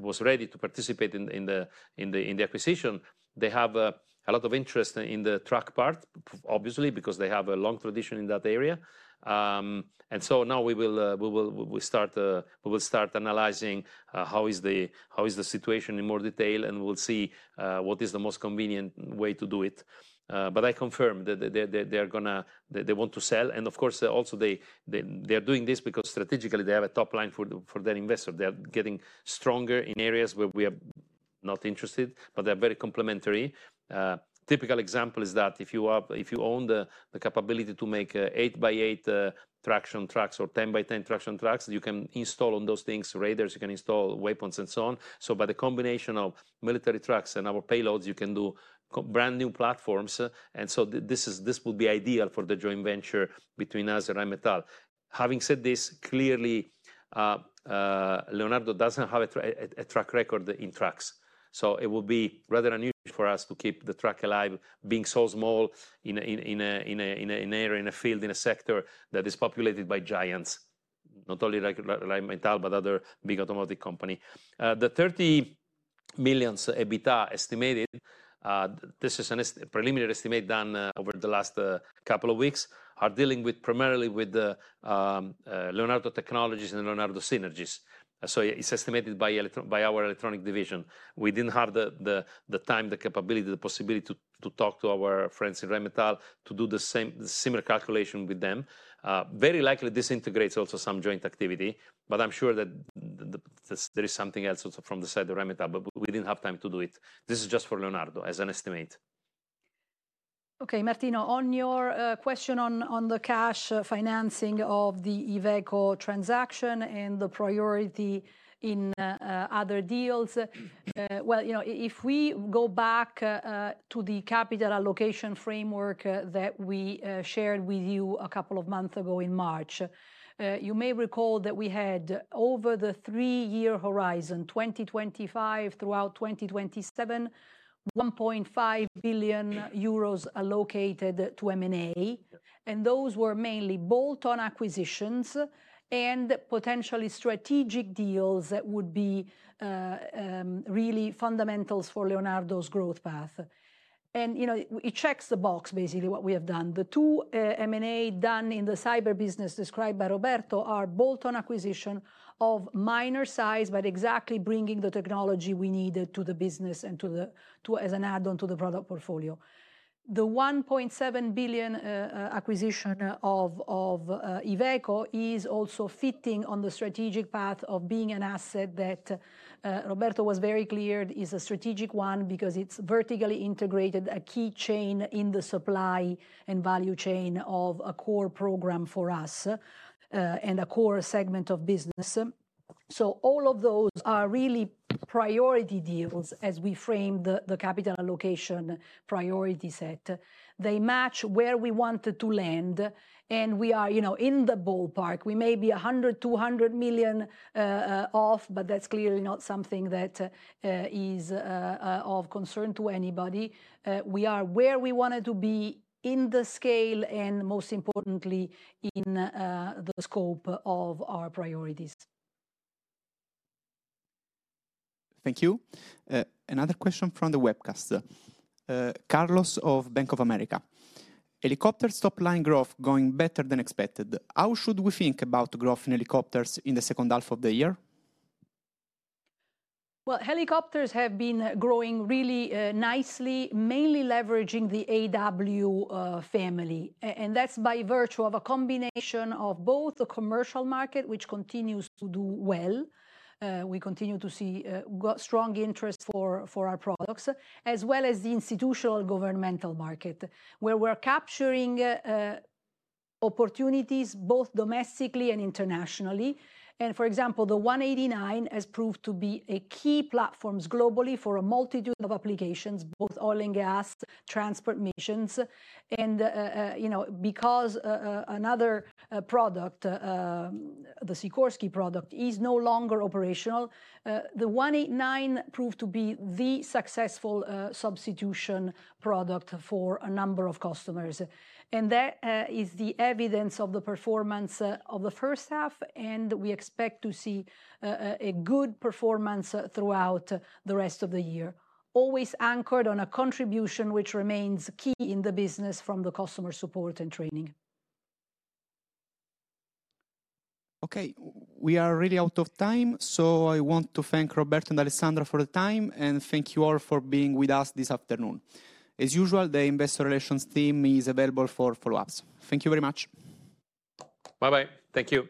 was ready to participate in the acquisition. They have a lot of interest in the truck part, obviously, because they have a long tradition in that area. Now we will start analyzing how is the situation in more detail and we'll see what is the most convenient way to do it. I confirm that they want to sell and of course also they are doing this because strategically they have a top line for their investor. They are getting stronger in areas where we are not interested, but they are very complementary. Typical example is that if you own the capability to make 8x8 traction trucks or 10x10 traction trucks, you can install on those things radars, you can install weapons and so on. By the combination of military trucks and our payloads, you can do brand new platforms. This will be ideal for the joint venture between us and Rheinmetall. Having said this, clearly Leonardo does not have a track record in trucks. It will be rather unusual for us to keep the truck alive being so small in an area, in a field, in a sector that is populated by giants not only like Rheinmetall, but other big automotive companies. The 30 million EBITDA estimated, this is a preliminary estimate done over the last couple of weeks, are dealing primarily with Leonardo technologies and Leonardo synergies. It is estimated by Electron, by our electronic division. We did not have the time, the capability, the possibility to talk to our friends in Rheinmetall to do the same similar calculation with them. Very likely this integrates also some joint activity. I am sure that there is something else also from the side of Rheinmetall. We did not have time to do it. This is just for Leonardo as an estimate. Okay, Martino, on your question on the cash financing of the Iveco transaction and the priority in other deals. You know, if we go back to the capital allocation framework that we shared with you a couple of months ago in March, you may recall that we had, over the three-year horizon, 2025 throughout 2027, 1.5 billion euros allocated to M&A. Those were mainly bolt-on acquisitions and potentially strategic deals that would be really fundamental for Leonardo's growth path. You know, it checks the box. Basically, what we have done, the two M&A done in the cyber business described by Roberto are bolt-on acquisitions of minor size, but exactly bringing the technology we needed to the business and as an add-on to the product portfolio. The 1.7 billion acquisition of Iveco is also fitting on the strategic path of being an asset that Roberto was very clear is a strategic one because it's vertically integrated, a key chain in the supply and value chain of a core program for us and a core segment of business. All of those are really priority deals as we frame the capital allocation priority set. They match where we wanted to land and we are in the ballpark. We may be 100 million-200 million off, but that's clearly not something that is of concern to anybody. We are where we wanted to be in the scale and most importantly in the scope of our priorities. Thank you. Another question from the webcast. Carlos of Bank of America. Helicopter topline growth going better than expected. How should we think about growth in helicopters in the second half of the year? Helicopters have been growing really nicely, mainly leveraging the AW family. That is by virtue of a combination of both the commercial market, which continues to do well. We continue to see strong interest for our products as well as the institutional governmental market, where we are capturing opportunities both domestically and internationally. For example, the AW189 has proved to be a key platform globally for a multitude of applications, both oil and gas transport missions. Because another product, the Sikorsky product, is no longer operational, the AW189 proved to be the successful substitution product for a number of customers. That is the evidence of the performance of the first half. We expect to see a good performance throughout the rest of the year, always anchored on a contribution which remains key in the business from the customer support and training. Okay, we are really out of time so I want to thank Roberto and Alessandra for the time and thank you all for being with us this afternoon. As usual, the investor relations team is available for follow ups. Thank you very much. Bye bye. Thank you.